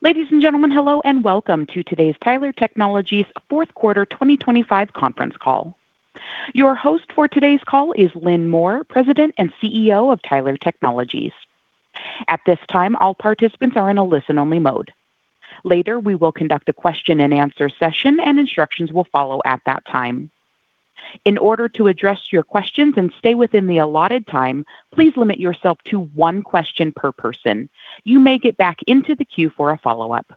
Ladies and gentlemen, hello, and welcome to today's Tyler Technologies fourth quarter 2025 conference call. Your host for today's call is Lynn Moore, President and CEO of Tyler Technologies. At this time, all participants are in a listen-only mode. Later, we will conduct a question-and-answer session, and instructions will follow at that time. In order to address your questions and stay within the allotted time, please limit yourself to one question per person. You may get back into the queue for a follow-up.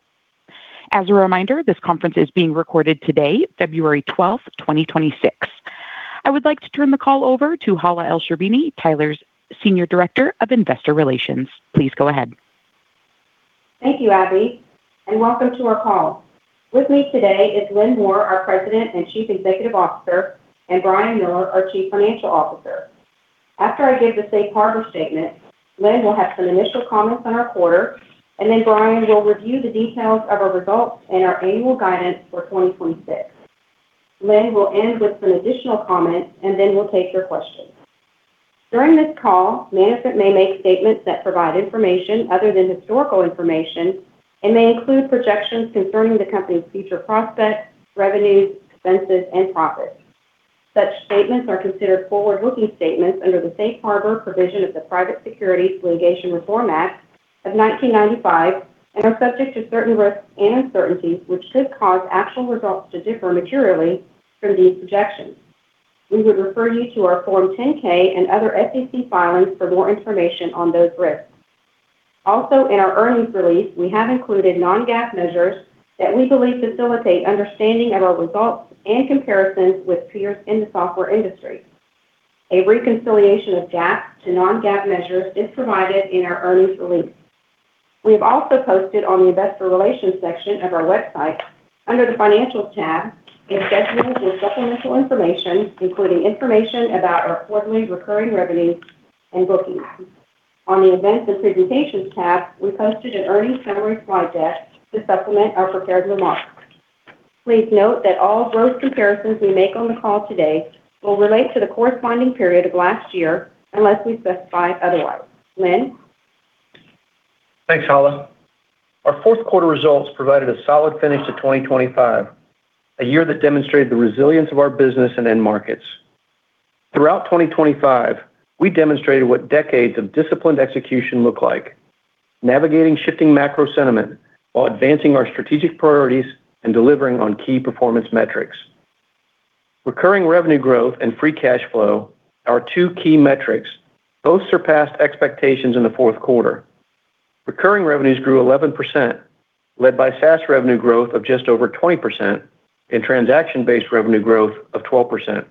As a reminder, this conference is being recorded today, February 12, 2026. I would like to turn the call over to Hala Elsherbini, Tyler's Senior Director of Investor Relations. Please go ahead. Thank you, Abby, and welcome to our call. With me today is Lynn Moore, our President and Chief Executive Officer, and Brian Miller, our Chief Financial Officer. After I give the safe harbor statement, Lynn will have some initial comments on our quarter, and then Brian will review the details of our results and our annual guidance for 2026. Lynn will end with some additional comments, and then we'll take your questions. During this call, management may make statements that provide information other than historical information and may include projections concerning the company's future prospects, revenues, expenses, and profits. Such statements are considered forward-looking statements under the safe harbor provision of the Private Securities Litigation Reform Act of 1995 and are subject to certain risks and uncertainties, which could cause actual results to differ materially from these projections. We would refer you to our Form 10-K and other SEC filings for more information on those risks. Also, in our earnings release, we have included non-GAAP measures that we believe facilitate understanding of our results and comparisons with peers in the software industry. A reconciliation of GAAP to non-GAAP measures is provided in our earnings release. We have also posted on the investor relations section of our website, under the financial tab, and schedules with supplemental information, including information about our quarterly recurring revenue and bookings. On the Events and Presentations tab, we posted an earnings summary slide deck to supplement our prepared remarks. Please note that all growth comparisons we make on the call today will relate to the corresponding period of last year unless we specify otherwise. Lynn? Thanks, Hala. Our fourth quarter results provided a solid finish to 2025, a year that demonstrated the resilience of our business and end markets. Throughout 2025, we demonstrated what decades of disciplined execution look like, navigating shifting macro sentiment while advancing our strategic priorities and delivering on key performance metrics. Recurring revenue growth and free cash flow are two key metrics. Both surpassed expectations in the fourth quarter. Recurring revenues grew 11%, led by SaaS revenue growth of just over 20% and transaction-based revenue growth of 12%.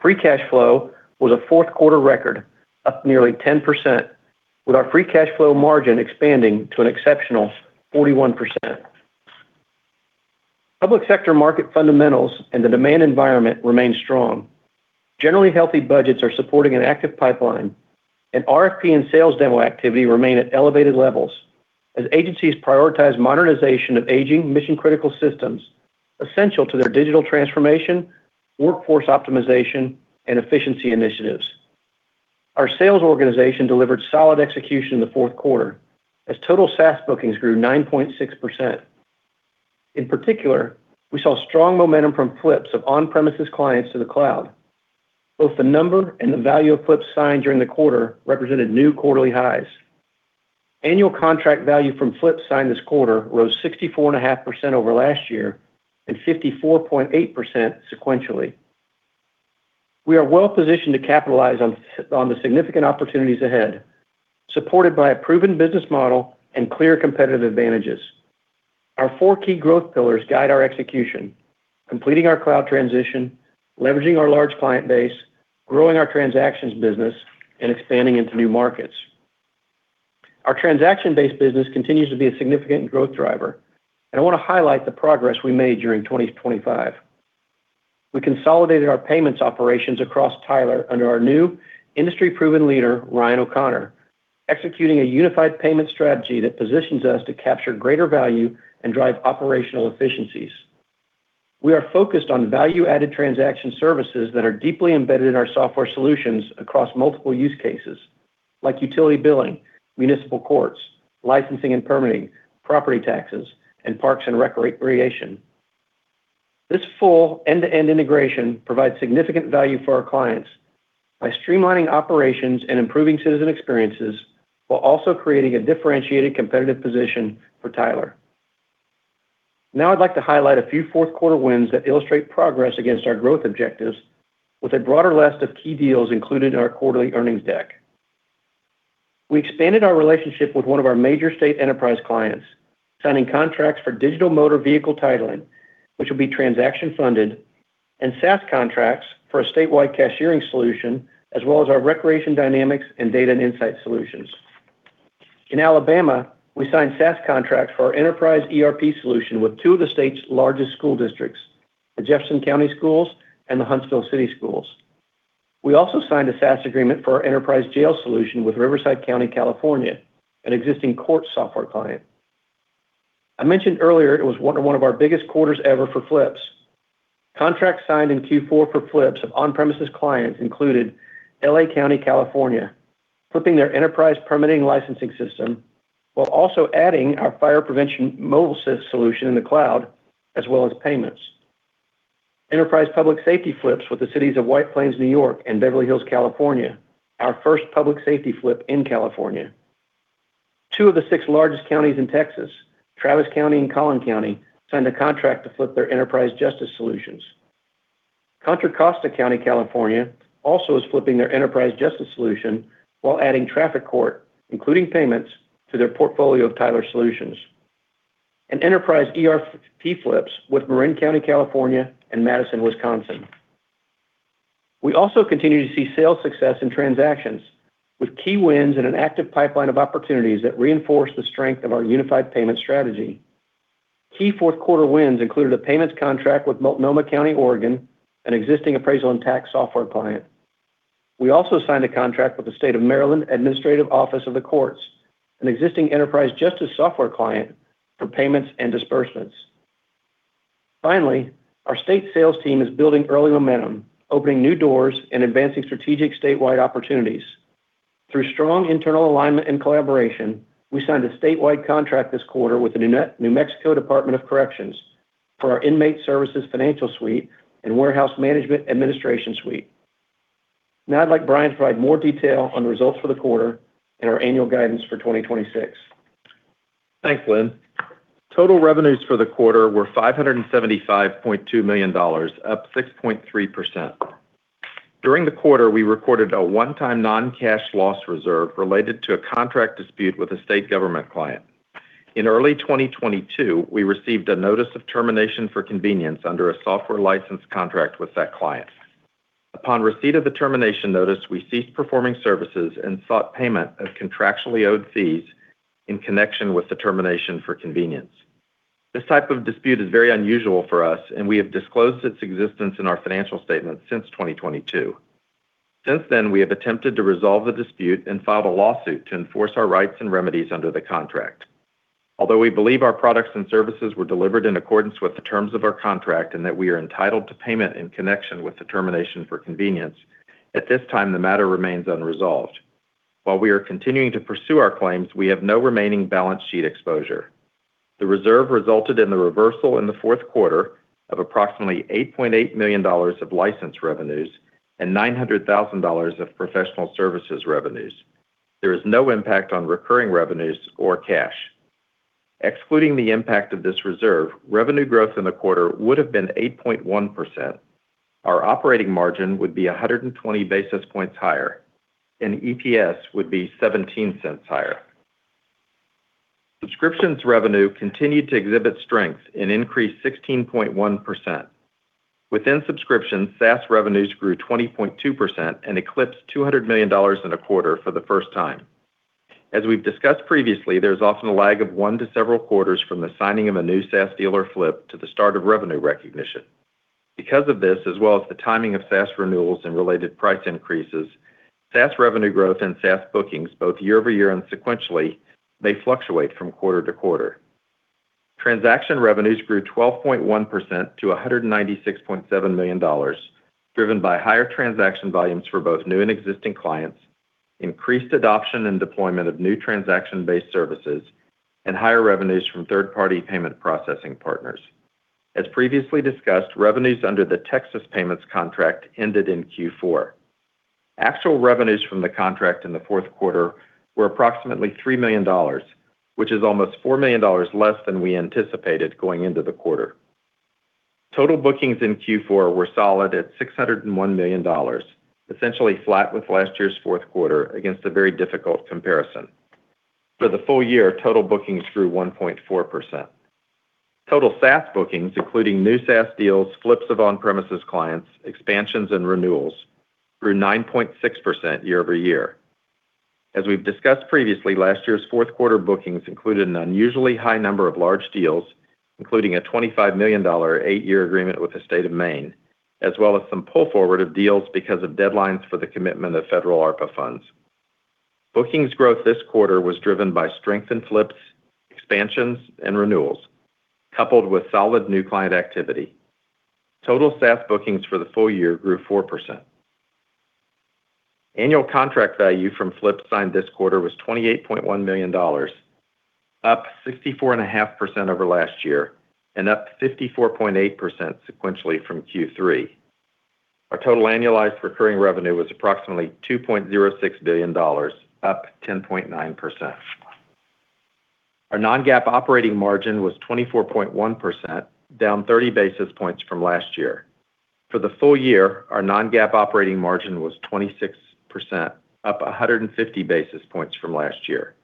Free cash flow was a fourth-quarter record, up nearly 10%, with our free cash flow margin expanding to an exceptional 41%. Public sector market fundamentals and the demand environment remain strong. Generally healthy budgets are supporting an active pipeline, and RFP and sales demo activity remain at elevated levels as agencies prioritize modernization of aging mission-critical systems essential to their digital transformation, workforce optimization, and efficiency initiatives. Our sales organization delivered solid execution in the fourth quarter as total SaaS bookings grew 9.6%. In particular, we saw strong momentum from flips of on-premises clients to the cloud. Both the number and the value of flips signed during the quarter represented new quarterly highs. Annual contract value from flips signed this quarter rose 64.5% over last year and 54.8% sequentially. We are well-positioned to capitalize on the significant opportunities ahead, supported by a proven business model and clear competitive advantages. Our four key growth pillars guide our execution: completing our cloud transition, leveraging our large client base, growing our transactions business, and expanding into new markets. Our transaction-based business continues to be a significant growth driver, and I want to highlight the progress we made during 2025. We consolidated our payments operations across Tyler under our new industry-proven leader, Ryan O'Connor, executing a unified payment strategy that positions us to capture greater value and drive operational efficiencies. We are focused on value-added transaction services that are deeply embedded in our software solutions across multiple use cases like utility billing, municipal courts, licensing and permitting, property taxes, and parks and recreation. This full end-to-end integration provides significant value for our clients by streamlining operations and improving citizen experiences while also creating a differentiated competitive position for Tyler. Now, I'd like to highlight a few fourth quarter wins that illustrate progress against our growth objectives with a broader list of key deals included in our quarterly earnings deck. We expanded our relationship with one of our major state enterprise clients, signing contracts for digital motor vehicle titling, which will be transaction-funded, and SaaS contracts for a statewide cashiering solution, as well as our Recreation Dynamics and Data & Insights solutions. In Alabama, we signed SaaS contracts for our Enterprise ERP solution with two of the state's largest school districts, the Jefferson County Schools and the Huntsville City Schools. We also signed a SaaS agreement for our Enterprise Jail solution with Riverside County, California, an existing court software client. I mentioned earlier, it was one of our biggest quarters ever for flips. Contracts signed in Q4 for flips of on-premises clients included LA County, California, flipping their Enterprise Permitting & Licensing system, while also adding our Fire Prevention Mobile system solution in the cloud, as well as payments. Enterprise Public Safety flips with the cities of White Plains, New York, and Beverly Hills, California, our first public safety flip in California. Two of the six largest counties in Texas, Travis County and Collin County, signed a contract to flip their Enterprise Justice solutions. Contra Costa County, California, also is flipping their Enterprise Justice solution while adding Traffic Court, including payments, to their portfolio of Tyler Solutions. An Enterprise ERP flips with Marin County, California, and Madison, Wisconsin. We also continue to see sales success in transactions, with key wins and an active pipeline of opportunities that reinforce the strength of our unified payment strategy. Key fourth quarter wins included a payments contract with Multnomah County, Oregon, an existing appraisal and tax software client. We also signed a contract with the State of Maryland Administrative Office of the Courts, an existing Enterprise Justice software client, for payments and disbursements. Finally, our state sales team is building early momentum, opening new doors, and advancing strategic statewide opportunities. Through strong internal alignment and collaboration, we signed a statewide contract this quarter with the New Mexico Department of Corrections for our Inmate Services Financial Suite and Warehouse Management Administration Suite. Now, I'd like Brian to provide more detail on the results for the quarter and our annual guidance for 2026. Thanks, Lynn. Total revenues for the quarter were $575.2 million, up 6.3%. During the quarter, we recorded a one-time non-cash loss reserve related to a contract dispute with a state government client. In early 2022, we received a notice of termination for convenience under a software license contract with that client. Upon receipt of the termination notice, we ceased performing services and sought payment of contractually owed fees in connection with the termination for convenience. This type of dispute is very unusual for us, and we have disclosed its existence in our financial statements since 2022. Since then, we have attempted to resolve the dispute and filed a lawsuit to enforce our rights and remedies under the contract. Although we believe our products and services were delivered in accordance with the terms of our contract and that we are entitled to payment in connection with the termination for convenience, at this time, the matter remains unresolved. While we are continuing to pursue our claims, we have no remaining balance sheet exposure. The reserve resulted in the reversal in the fourth quarter of approximately $8.8 million of license revenues and $900,000 of professional services revenues. There is no impact on recurring revenues or cash. Excluding the impact of this reserve, revenue growth in the quarter would have been 8.1%. Our operating margin would be 120 basis points higher, and EPS would be 17 cents higher. Subscriptions revenue continued to exhibit strength and increased 16.1%. Within subscriptions, SaaS revenues grew 20.2% and eclipsed $200 million in a quarter for the first time. As we've discussed previously, there's often a lag of one to several quarters from the signing of a new SaaS deal or flip to the start of revenue recognition. Because of this, as well as the timing of SaaS renewals and related price increases, SaaS revenue growth and SaaS bookings, both year-over-year and sequentially, may fluctuate from quarter to quarter. Transaction revenues grew 12.1% to $196.7 million, driven by higher transaction volumes for both new and existing clients, increased adoption and deployment of new transaction-based services, and higher revenues from third-party payment processing partners. As previously discussed, revenues under the Texas payments contract ended in Q4. Actual revenues from the contract in the fourth quarter were approximately $3 million, which is almost $4 million less than we anticipated going into the quarter. Total bookings in Q4 were solid at $601 million, essentially flat with last year's fourth quarter against a very difficult comparison. For the full year, total bookings grew 1.4%. Total SaaS bookings, including new SaaS deals, flips of on-premises clients, expansions, and renewals, grew 9.6% year-over-year. As we've discussed previously, last year's fourth quarter bookings included an unusually high number of large deals, including a $25 million eight-year agreement with the state of Maine, as well as some pull forward of deals because of deadlines for the commitment of federal ARPA funds. Bookings growth this quarter was driven by strength in flips, expansions, and renewals, coupled with solid new client activity. Total SaaS bookings for the full year grew 4%. Annual contract value from flips signed this quarter was $28.1 million, up 64.5% over last year and up 54.8% sequentially from Q3. Our total annualized recurring revenue was approximately $2.06 billion, up 10.9%. Our non-GAAP operating margin was 24.1%, down 30 basis points from last year. For the full year, our non-GAAP operating margin was 26%, up 150 basis points from last year,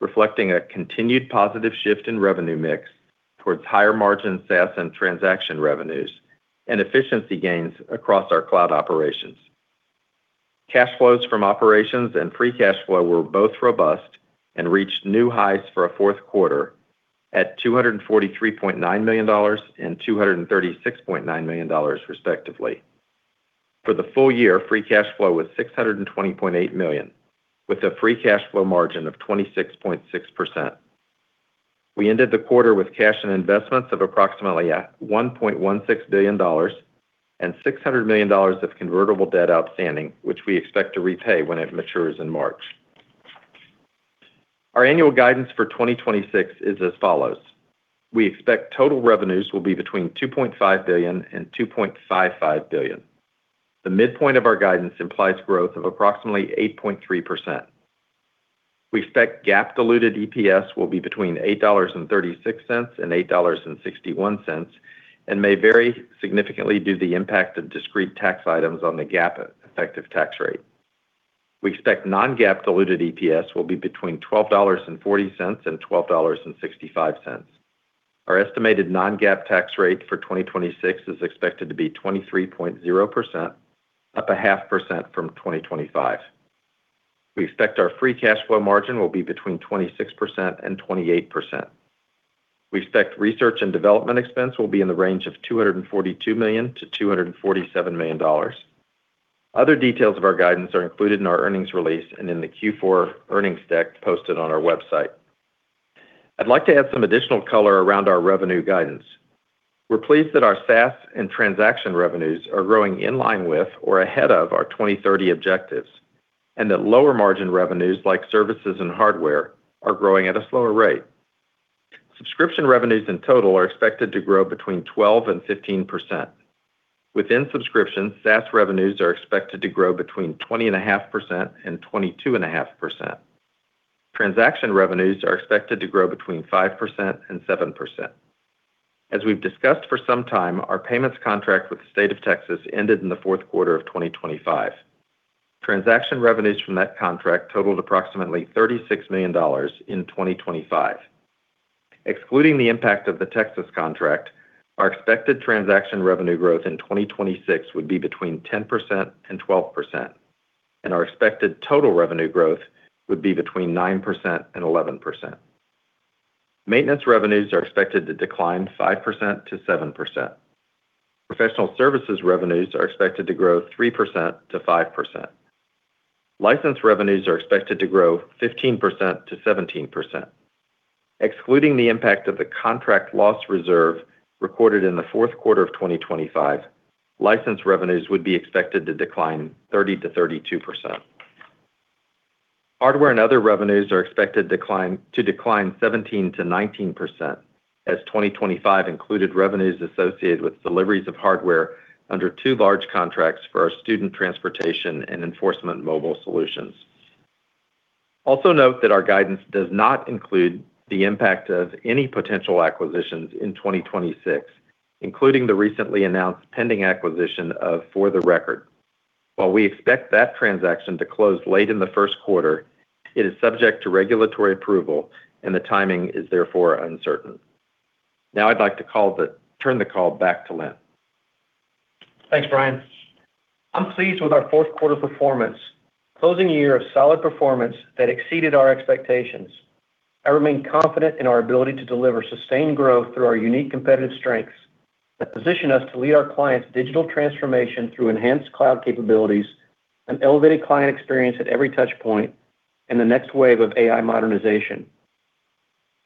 reflecting a continued positive shift in revenue mix towards higher-margin SaaS and transaction revenues and efficiency gains across our cloud operations. Cash flows from operations and free cash flow were both robust and reached new highs for a fourth quarter at $243.9 million and $236.9 million, respectively. For the full year, free cash flow was $620.8 million, with a free cash flow margin of 26.6%.... We ended the quarter with cash and investments of approximately $1.16 billion and $600 million of convertible debt outstanding, which we expect to repay when it matures in March. Our annual guidance for 2026 is as follows: We expect total revenues will be between $2.5 billion and $2.55 billion. The midpoint of our guidance implies growth of approximately 8.3%. We expect GAAP diluted EPS will be between $8.36 and $8.61, and may vary significantly due to the impact of discrete tax items on the GAAP effective tax rate. We expect non-GAAP diluted EPS will be between $12.40 and $12.65. Our estimated non-GAAP tax rate for 2026 is expected to be 23.0%, up 0.5% from 2025. We expect our free cash flow margin will be between 26% and 28%. We expect research and development expense will be in the range of $242 million to $247 million. Other details of our guidance are included in our earnings release and in the Q4 earnings deck posted on our website. I'd like to add some additional color around our revenue guidance. We're pleased that our SaaS and transaction revenues are growing in line with or ahead of our 2030 objectives, and that lower margin revenues, like services and hardware, are growing at a slower rate. Subscription revenues in total are expected to grow between 12% and 15%. Within subscriptions, SaaS revenues are expected to grow between 20.5% and 22.5%. Transaction revenues are expected to grow between 5% and 7%. As we've discussed for some time, our payments contract with the State of Texas ended in the fourth quarter of 2025. Transaction revenues from that contract totaled approximately $36 million in 2025. Excluding the impact of the Texas contract, our expected transaction revenue growth in 2026 would be between 10% and 12%, and our expected total revenue growth would be between 9% and 11%. Maintenance revenues are expected to decline 5%-7%. Professional services revenues are expected to grow 3%-5%. License revenues are expected to grow 15%-17%. Excluding the impact of the contract loss reserve recorded in the fourth quarter of 2025, license revenues would be expected to decline 30%-32%. Hardware and other revenues are expected to decline 17%-19%, as 2025 included revenues associated with deliveries of hardware under two large contracts for our student transportation and enforcement mobile solutions. Also note that our guidance does not include the impact of any potential acquisitions in 2026, including the recently announced pending acquisition of For the Record. While we expect that transaction to close late in the first quarter, it is subject to regulatory approval, and the timing is therefore uncertain. Now, I'd like to turn the call back to Lynn. Thanks, Brian. I'm pleased with our fourth quarter performance, closing a year of solid performance that exceeded our expectations. I remain confident in our ability to deliver sustained growth through our unique competitive strengths that position us to lead our clients' digital transformation through enhanced cloud capabilities and elevated client experience at every touch point, and the next wave of AI modernization.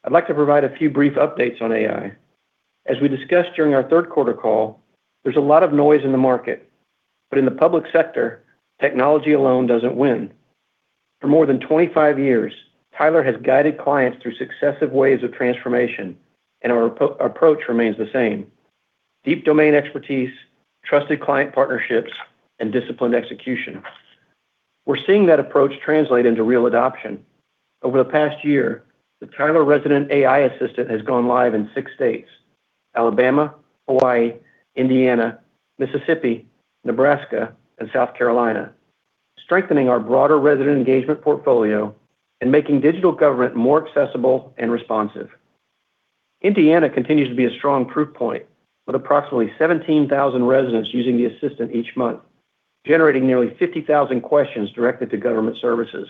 I'd like to provide a few brief updates on AI. As we discussed during our third quarter call, there's a lot of noise in the market, but in the public sector, technology alone doesn't win. For more than 25 years, Tyler has guided clients through successive waves of transformation, and our approach remains the same: deep domain expertise, trusted client partnerships, and disciplined execution. We're seeing that approach translate into real adoption. Over the past year, the Tyler Resident AI Assistant has gone live in 6 states: Alabama, Hawaii, Indiana, Mississippi, Nebraska, and South Carolina, strengthening our broader resident engagement portfolio and making digital government more accessible and responsive. Indiana continues to be a strong proof point, with approximately 17,000 residents using the assistant each month, generating nearly 50,000 questions directly to government services.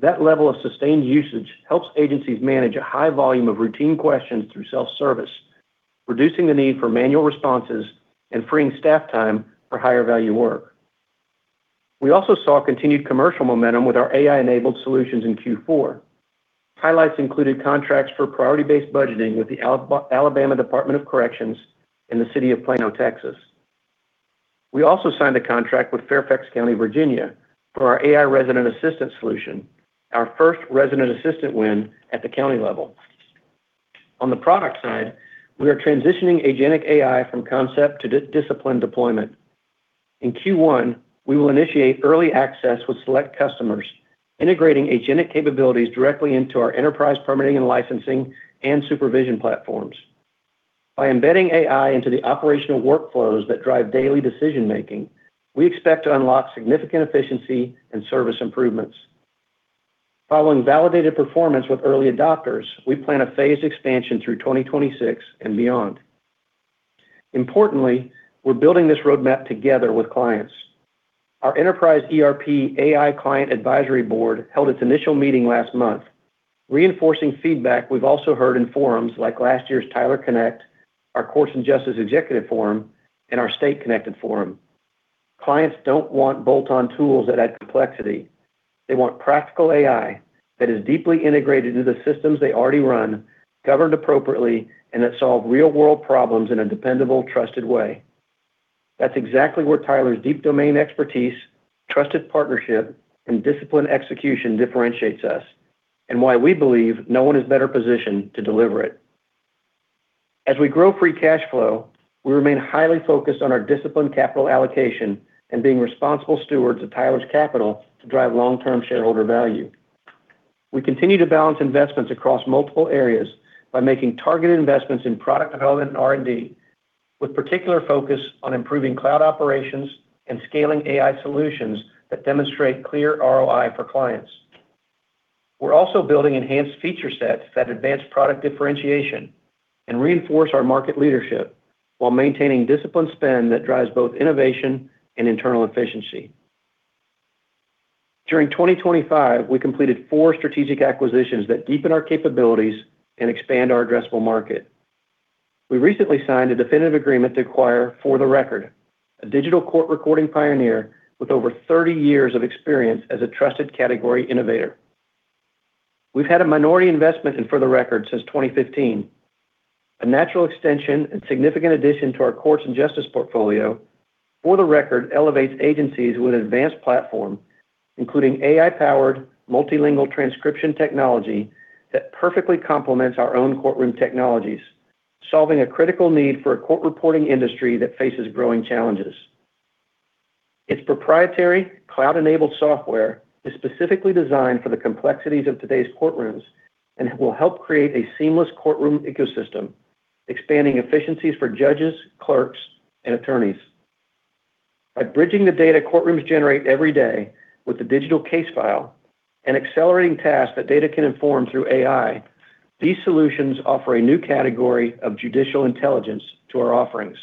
That level of sustained usage helps agencies manage a high volume of routine questions through self-service, reducing the need for manual responses and freeing staff time for higher value work. We also saw continued commercial momentum with our AI-enabled solutions in Q4. Highlights included contracts for Priority Based Budgeting with the Alabama Department of Corrections and in the city of Plano, Texas. We also signed a contract with Fairfax County, Virginia, for our AI Resident Assistant solution, our first Resident Assistant win at the county level. On the product side, we are transitioning agentic AI from concept to discipline deployment. In Q1, we will initiate early access with select customers, integrating agentic capabilities directly into our enterprise permitting and licensing and supervision platforms. By embedding AI into the operational workflows that drive daily decision-making, we expect to unlock significant efficiency and service improvements. Following validated performance with early adopters, we plan a phased expansion through 2026 and beyond. Importantly, we're building this roadmap together with clients. Our Enterprise ERP AI Client Advisory Board held its initial meeting last month, reinforcing feedback we've also heard in forums like last year's Tyler Connect, our Courts & Justice Executive Forum, and our State Connected Forum.... Clients don't want bolt-on tools that add complexity. They want practical AI that is deeply integrated into the systems they already run, governed appropriately, and that solve real-world problems in a dependable, trusted way. That's exactly where Tyler's deep domain expertise, trusted partnership, and disciplined execution differentiates us, and why we believe no one is better positioned to deliver it. As we grow free cash flow, we remain highly focused on our disciplined capital allocation and being responsible stewards of Tyler's capital to drive long-term shareholder value. We continue to balance investments across multiple areas by making targeted investments in product development and R&D, with particular focus on improving cloud operations and scaling AI solutions that demonstrate clear ROI for clients. We're also building enhanced feature sets that advance product differentiation and reinforce our market leadership, while maintaining disciplined spend that drives both innovation and internal efficiency. During 2025, we completed four strategic acquisitions that deepen our capabilities and expand our addressable market. We recently signed a definitive agreement to acquire For The Record, a digital court recording pioneer with over 30 years of experience as a trusted category innovator. We've had a minority investment in For The Record since 2015. A natural extension and significant addition to our courts and justice portfolio, For The Record elevates agencies with an advanced platform, including AI-powered, multilingual transcription technology that perfectly complements our own courtroom technologies, solving a critical need for a court reporting industry that faces growing challenges. Its proprietary, cloud-enabled software is specifically designed for the complexities of today's courtrooms, and it will help create a seamless courtroom ecosystem, expanding efficiencies for judges, clerks, and attorneys. By bridging the data courtrooms generate every day with the digital case file and accelerating tasks that data can inform through AI, these solutions offer a new category of judicial intelligence to our offerings.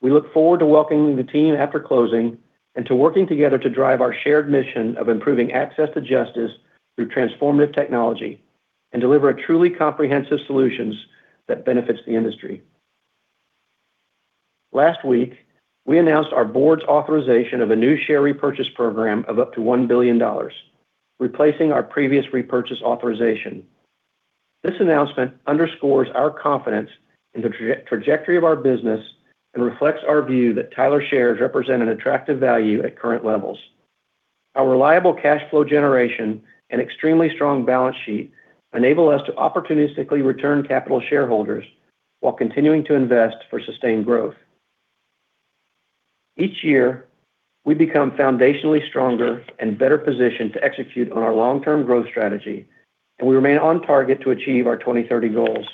We look forward to welcoming the team after closing and to working together to drive our shared mission of improving access to justice through transformative technology, and deliver a truly comprehensive solutions that benefits the industry. Last week, we announced our board's authorization of a new share repurchase program of up to $1 billion, replacing our previous repurchase authorization. This announcement underscores our confidence in the trajectory of our business and reflects our view that Tyler shares represent an attractive value at current levels. Our reliable cash flow generation and extremely strong balance sheet enable us to opportunistically return capital to shareholders while continuing to invest for sustained growth. Each year, we become foundationally stronger and better positioned to execute on our long-term growth strategy, and we remain on target to achieve our 2030 goals.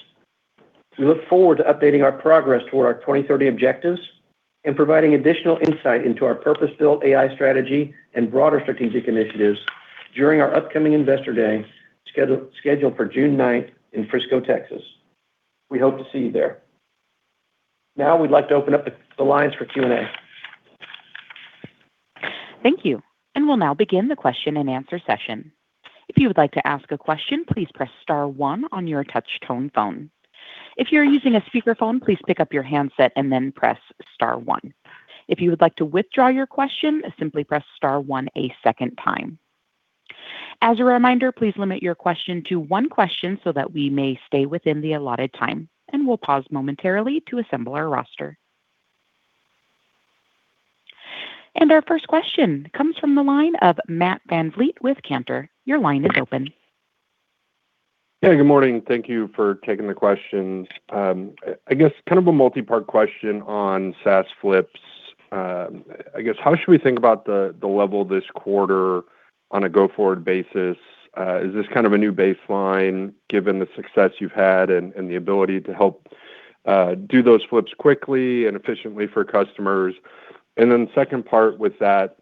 We look forward to updating our progress toward our 2030 objectives and providing additional insight into our purpose-built AI strategy and broader strategic initiatives during our upcoming Investor Day, scheduled for June 9 in Frisco, Texas. We hope to see you there. Now, we'd like to open up the lines for Q&A. Thank you. And we'll now begin the question-and-answer session. If you would like to ask a question, please press star one on your touch tone phone. If you're using a speakerphone, please pick up your handset and then press star one. If you would like to withdraw your question, simply press star one a second time. As a reminder, please limit your question to one question so, that we may stay within the allotted time, and we'll pause momentarily to assemble our roster. And our first question comes from the line of Matt VanVleet with Cantor. Your line is open. Yeah, good morning. Thank you for taking the questions. I guess kind of a multi-part question on SaaS flips. I guess how should we think about the level this quarter on a go-forward basis? Is this kind of a new baseline, given the success you've had and the ability to help do those flips quickly and efficiently for customers? And then the second part with that,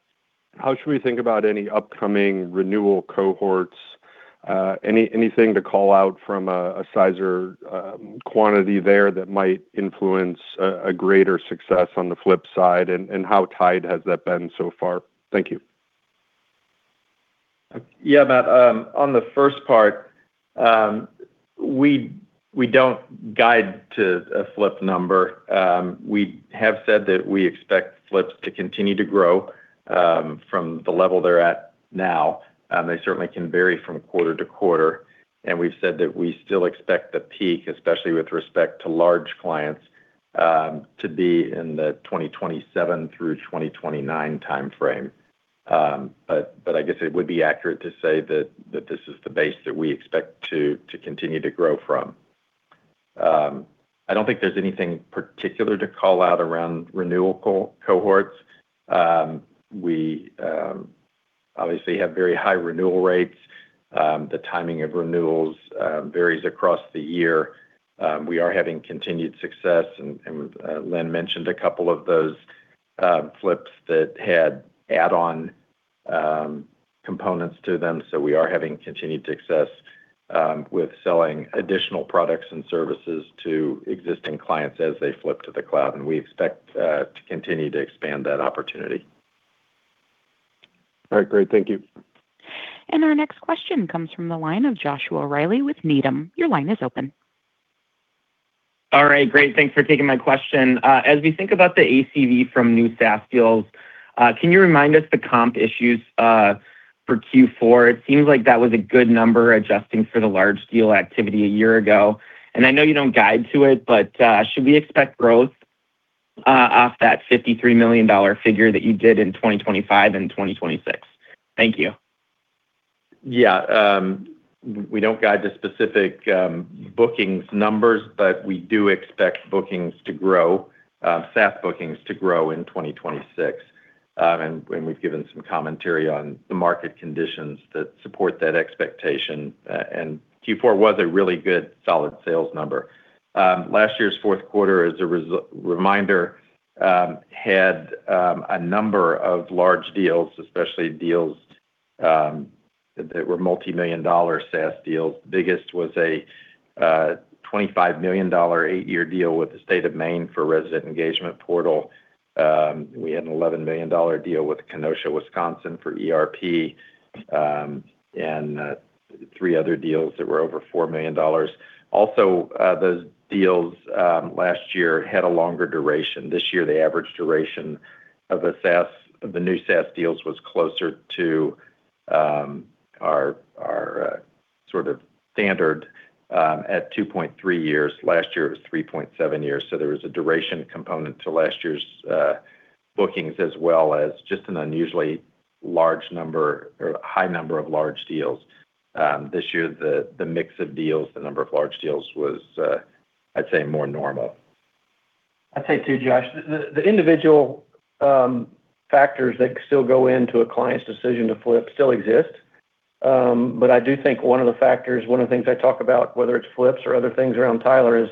how should we think about any upcoming renewal cohorts? Anything to call out from a size or quantity there that might influence a greater success on the flip side, and how tight has that been so far? Thank you. Yeah, Matt, on the first part, we don't guide to a flip number. We have said that we expect flips to continue to grow from the level they're at now. They certainly can vary from quarter to quarter, and we've said that we still expect the peak, especially with respect to large clients, to be in the 2027 through 2029 time frame. But I guess it would be accurate to say that this is the base that we expect to continue to grow from. I don't think there's anything particular to call out around renewal cohorts. We obviously have very high renewal rates. The timing of renewals varies across the year. We are having continued success, and Lynn mentioned a couple of those flips that had add-on components to them. So, we are having continued success with selling additional products and services to existing clients as they flip to the cloud, and we expect to continue to expand that opportunity. All right, great. Thank you. Our next question comes from the line of Joshua Riley with Needham. Your line is open. All right, great. Thanks for taking my question. As we think about the ACV from new SaaS deals, can you remind us the comp issues for Q4? It seems like that was a good number, adjusting for the large deal activity a year ago. And I know you don't guide to it, but, should we expect growth off that $53 million figure that you did in 2025 and 2026? Thank you. Yeah, we don't guide the specific bookings numbers, but we do expect bookings to grow, SaaS bookings to grow in 2026. And we've given some commentary on the market conditions that support that expectation. And Q4 was a really good, solid sales number. Last year's fourth quarter, as a reminder, had a number of large deals, especially deals that were multi-million dollar SaaS deals. The biggest was a $25 million, 8-year deal with the State of Maine for resident engagement portal. We had an $11 million deal with Kenosha, Wisconsin, for ERP, and three other deals that were over $4 million. Also, those deals last year had a longer duration. This year, the average duration of a SaaS, of the new SaaS deals was closer to our sort of standard at 2.3 years. Last year, it was 3.7 years, so, there was a duration component to last year's bookings, as well as just an unusually large number or high number of large deals. This year, the mix of deals, the number of large deals was, I'd say more normal. I'd say, too, Josh, the individual factors that still go into a client's decision to flip still exist. But I do think one of the factors, one of the things I talk about, whether it's flips or other things around Tyler, is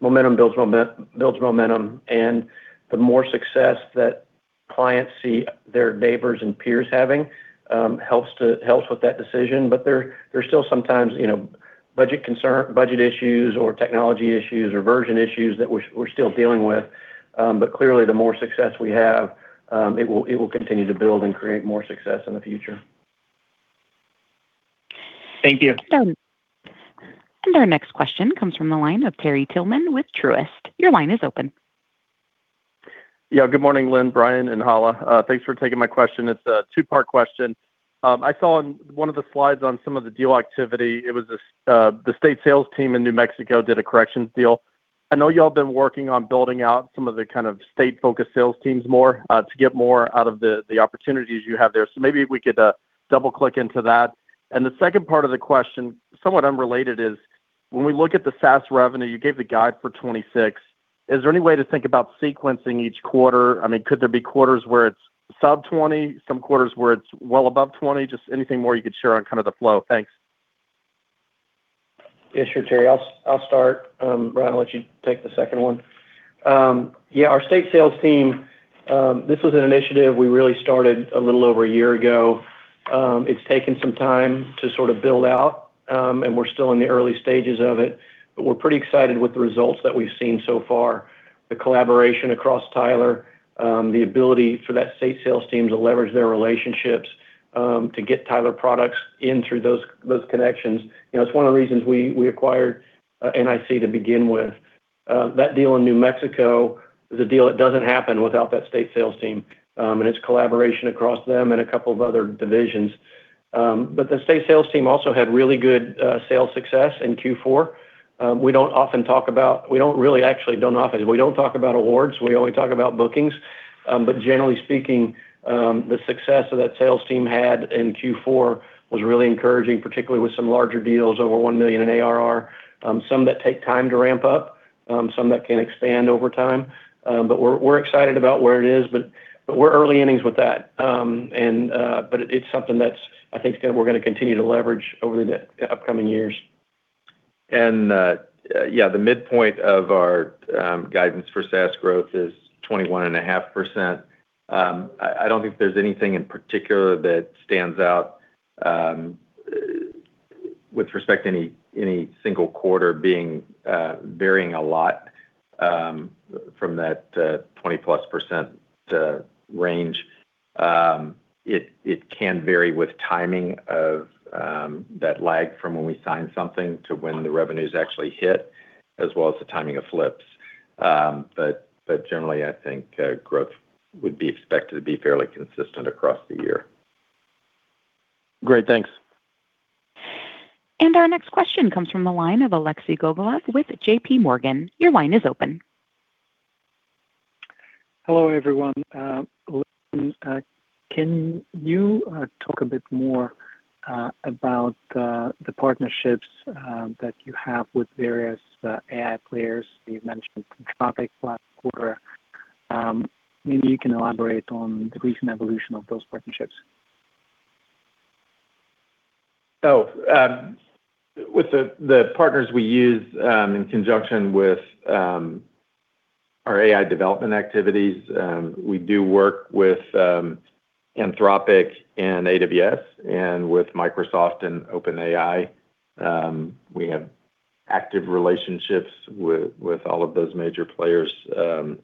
momentum builds momentum, and the more success that clients see their neighbors and peers having helps with that decision. But there's still sometimes, you know, budget concern, budget issues or technology issues or version issues that we're still dealing with. But clearly, the more success we have, it will continue to build and create more success in the future. Thank you. Our next question comes from the line of Terry Tillman with Truist. Your line is open. Yeah, good morning, Lynn, Brian, and Hala. Thanks for taking my question. It's a two-part question. I saw on one of the slides on some of the deal activity, it was the state sales team in New Mexico did a corrections deal. I know y'all have been working on building out some of the kind of state-focused sales teams more to get more out of the opportunities you have there. So maybe if we could double-click into that. And the second part of the question, somewhat unrelated, is when we look at the SaaS revenue, you gave the guide for 2026. Is there any way to think about sequencing each quarter? I mean, could there be quarters where it's sub 20, some quarters where it's well above 20? Just anything more you could share on kind of the flow. Thanks. Yeah, sure, Terry. I'll, I'll start. Brian, I'll let you take the second one. Yeah, our state sales team, this was an initiative we really started a little over a year ago. It's taken some time to sort of build out, and we're still in the early stages of it, but we're pretty excited with the results that we've seen so far. The collaboration across Tyler, the ability for that state sales team to leverage their relationships, to get Tyler products in through those, those connections, you know, it's one of the reasons we, we acquired NIC to begin with. That deal in New Mexico is a deal that doesn't happen without that state sales team, and its collaboration across them and a couple of other divisions. But the state sales team also had really good sales success in Q4. We don't often talk about awards, we only talk about bookings. But generally speaking, the success that that sales team had in Q4 was really encouraging, particularly with some larger deals over 1 million in ARR. Some that take time to ramp up, some that can expand over time, but we're excited about where it is, but we're early innings with that. But it's something that's I think that we're gonna continue to leverage over the upcoming years. And, yeah, the midpoint of our guidance for SaaS growth is 21.5%. I don't think there's anything in particular that stands out with respect to any single quarter being varying a lot from that 20+% range. It can vary with timing of that lag from when we sign something to when the revenues actually hit, as well as the timing of flips. But generally, I think growth would be expected to be fairly consistent across the year. Great. Thanks. Our next question comes from the line of Alexei Gogolev with J.P. Morgan. Your line is open. Hello, everyone. Can you talk a bit more about the partnerships that you have with various AI players? You've mentioned Anthropic last quarter. Maybe you can elaborate on the recent evolution of those partnerships. So, with the partners we use in conjunction with our AI development activities, we do work with Anthropic and AWS, and with Microsoft and OpenAI. We have active relationships with all of those major players in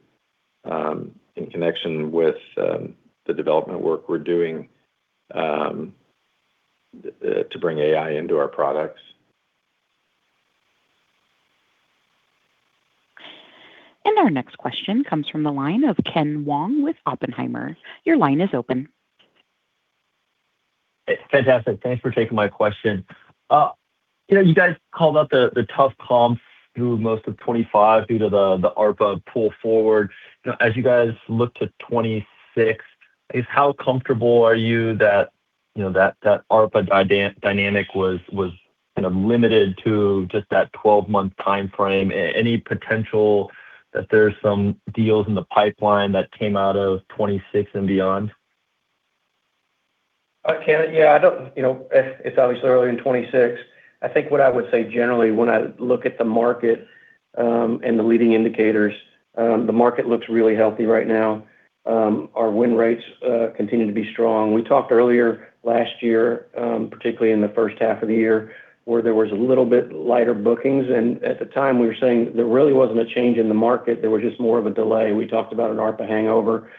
connection with the development work we're doing to bring AI into our products. Our next question comes from the line of Ken Wong with Oppenheimer. Your line is open. Fantastic. Thanks for taking my question. You know, you guys called out the tough comps through most of 2025 due to the ARPA pull forward. You know, as you guys look to 2026, is how comfortable are you that, you know, that ARPA dynamic was, you know, limited to just that twelve-month time frame? Any potential that there's some deals in the pipeline that came out of 2026 and beyond? Ken, yeah, I don't—you know, it's obviously early in 2026. I think what I would say generally when I look at the market, and the leading indicators, the market looks really healthy right now. Our win rates continue to be strong. We talked earlier last year, particularly in the first half of the year, where there was a little bit lighter booking, and at the time, we were saying there really wasn't a change in the market. There was just more of a delay. We talked about an ARPA hangover.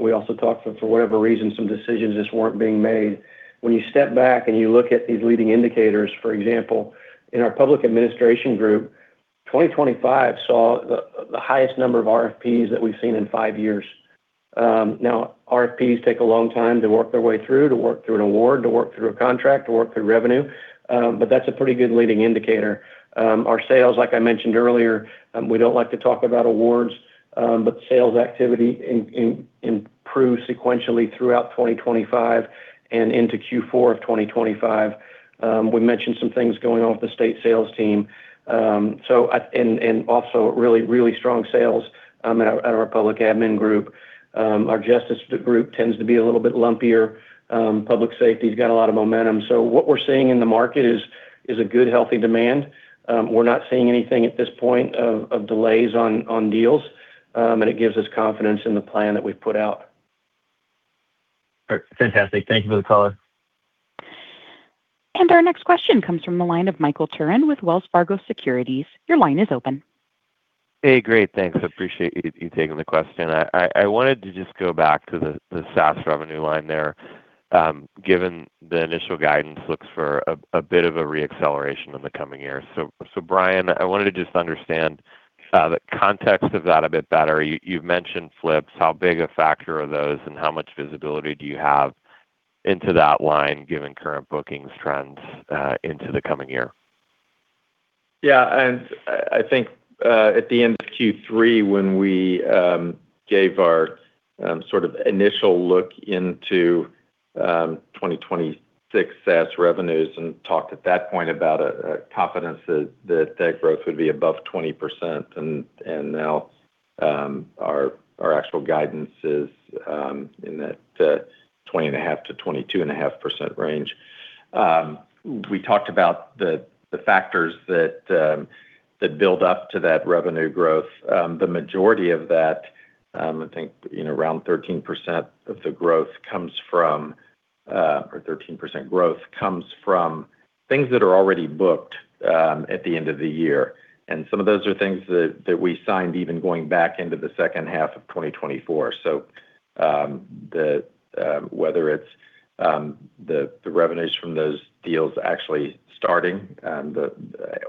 We also talked that for whatever reason; some decisions just weren't being made. When you step back and you look at these leading indicators, for example, in our Public Administration group, 2025 saw the highest number of RFPs that we've seen in 5 years. Now, RFPs take a long time to work their way through, to work through an award, to work through a contract, to work through revenue, but that's a pretty good leading indicator. Our sales, like I mentioned earlier, we don't like to talk about awards, but sales activity improved sequentially throughout 2025 and into Q4 of 2025. We mentioned some things going on with the state sales team. So, and also really, really strong sales out of our public admin group. Our Justice group tends to be a little bit lumpier. Public Safety's got a lot of momentum. So, what we're seeing in the market is a good, healthy demand. We're not seeing anything at this point of delays on deals, and it gives us confidence in the plan that we've put out. Perfect. Fantastic. Thank you for the call. Our next question comes from the line of Michael Turrin with Wells Fargo Securities. Your line is open. Hey, great. Thanks. I appreciate you taking the question. I wanted to just go back to the SaaS revenue line there, given the initial guidance looks for a bit of a re-acceleration in the coming year. So, Brian, I wanted to just understand the context of that a bit better. You've mentioned flips. How big a factor are those, and how much visibility do you have into that line, given current bookings trends into the coming year? Yeah, and I, I think, at the end of Q3, when we gave our sort of initial look into 2026 SaaS revenues and talked at that point about a confidence that that that growth would be above 20%, and now our actual guidance is in that 20.5%-22.5% range. We talked about the factors that build up to that revenue growth. The majority of that, I think, you know, around 13% of the growth comes from—or 13% growth comes from things that are already booked at the end of the year. And some of those are things that we signed even going back into the second half of 2024. So, whether it's the revenues from those deals actually starting,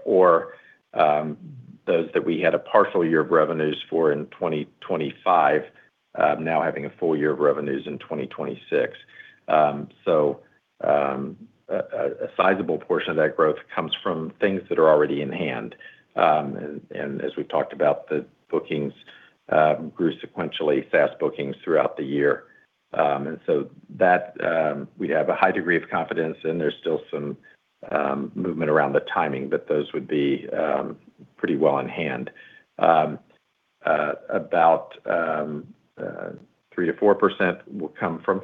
or those that we had a partial year of revenues for in 2025, now having a full year of revenues in 2026. So, a sizable portion of that growth comes from things that are already in hand. And as we've talked about, the bookings grew sequentially, fast bookings throughout the year. And so that we have a high degree of confidence, and there's still some movement around the timing, but those would be pretty well in hand. About 3%-4% will come from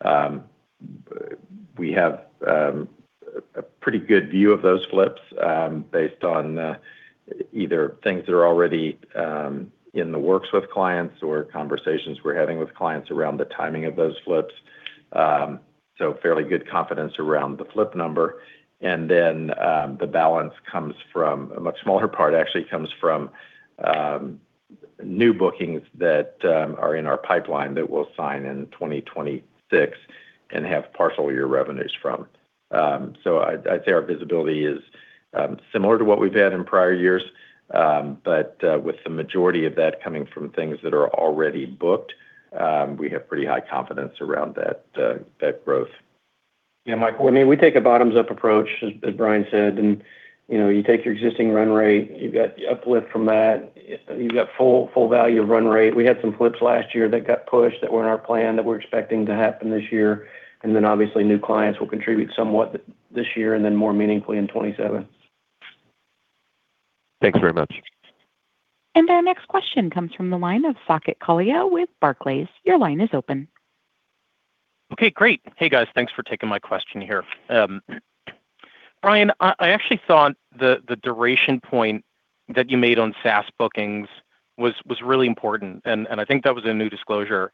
flips. We have a pretty good view of those flips, based on either things that are already in the works with clients or conversations we're having with clients around the timing of those flips. So, fairly good confidence around the flip number. And then, the balance comes from... a much smaller part actually comes from new bookings that are in our pipeline that we'll sign in 2026 and have partial year revenues from. So, I'd say our visibility is similar to what we've had in prior years, but with the majority of that coming from things that are already booked, we have pretty high confidence around that, that growth. Yeah, Michael, I mean, we take a bottoms-up approach, as Brian said, and, you know, you take your existing run rate. You've got uplift from that. You've got full value run rate. We had some flips last year that got pushed, that were in our plan, that we're expecting to happen this year, and then obviously, new clients will contribute somewhat this year and then more meaningfully in 2027. Thanks very much. Our next question comes from the line of Saket Kalia with Barclays. Your line is open. Okay, great. Hey, guys, thanks for taking my question here. Brian, I actually thought the duration point that you made on SaaS bookings was really important, and I think that was a new disclosure,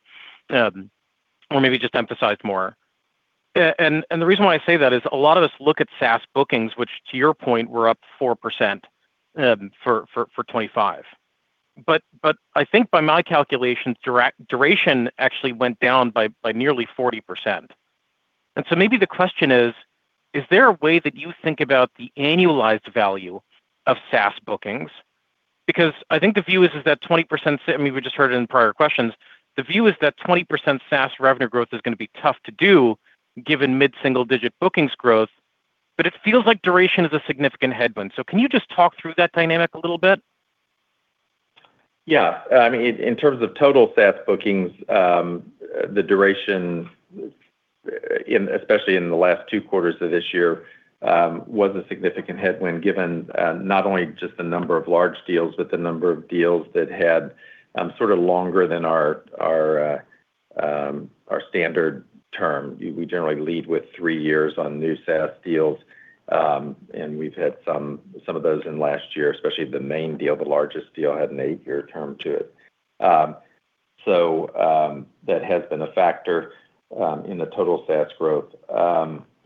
or maybe just emphasized more... And the reason why I say that is a lot of us look at SaaS bookings, which to your point, were up 4% for 25. But I think by my calculations, duration actually went down by nearly 40%. And so maybe the question is: Is there a way that you think about the annualized value of SaaS bookings? Because I think the view is that 20%, I mean, we just heard it in prior questions. The view is that 20% SaaS revenue growth is going to be tough to do, given mid-single-digit bookings growth, but it feels like duration is a significant headwind. Can you just talk through that dynamic a little bit? Yeah. I mean, in terms of total SaaS bookings, the duration, especially in the last two quarters of this year, was a significant headwind, given not only just the number of large deals, but the number of deals that had sort of longer than our standard term. We generally lead with three years on new SaaS deals, and we've had some of those in last year, especially the Maine deal. The largest deal had an eight-year term to it. So, that has been a factor in the total SaaS growth.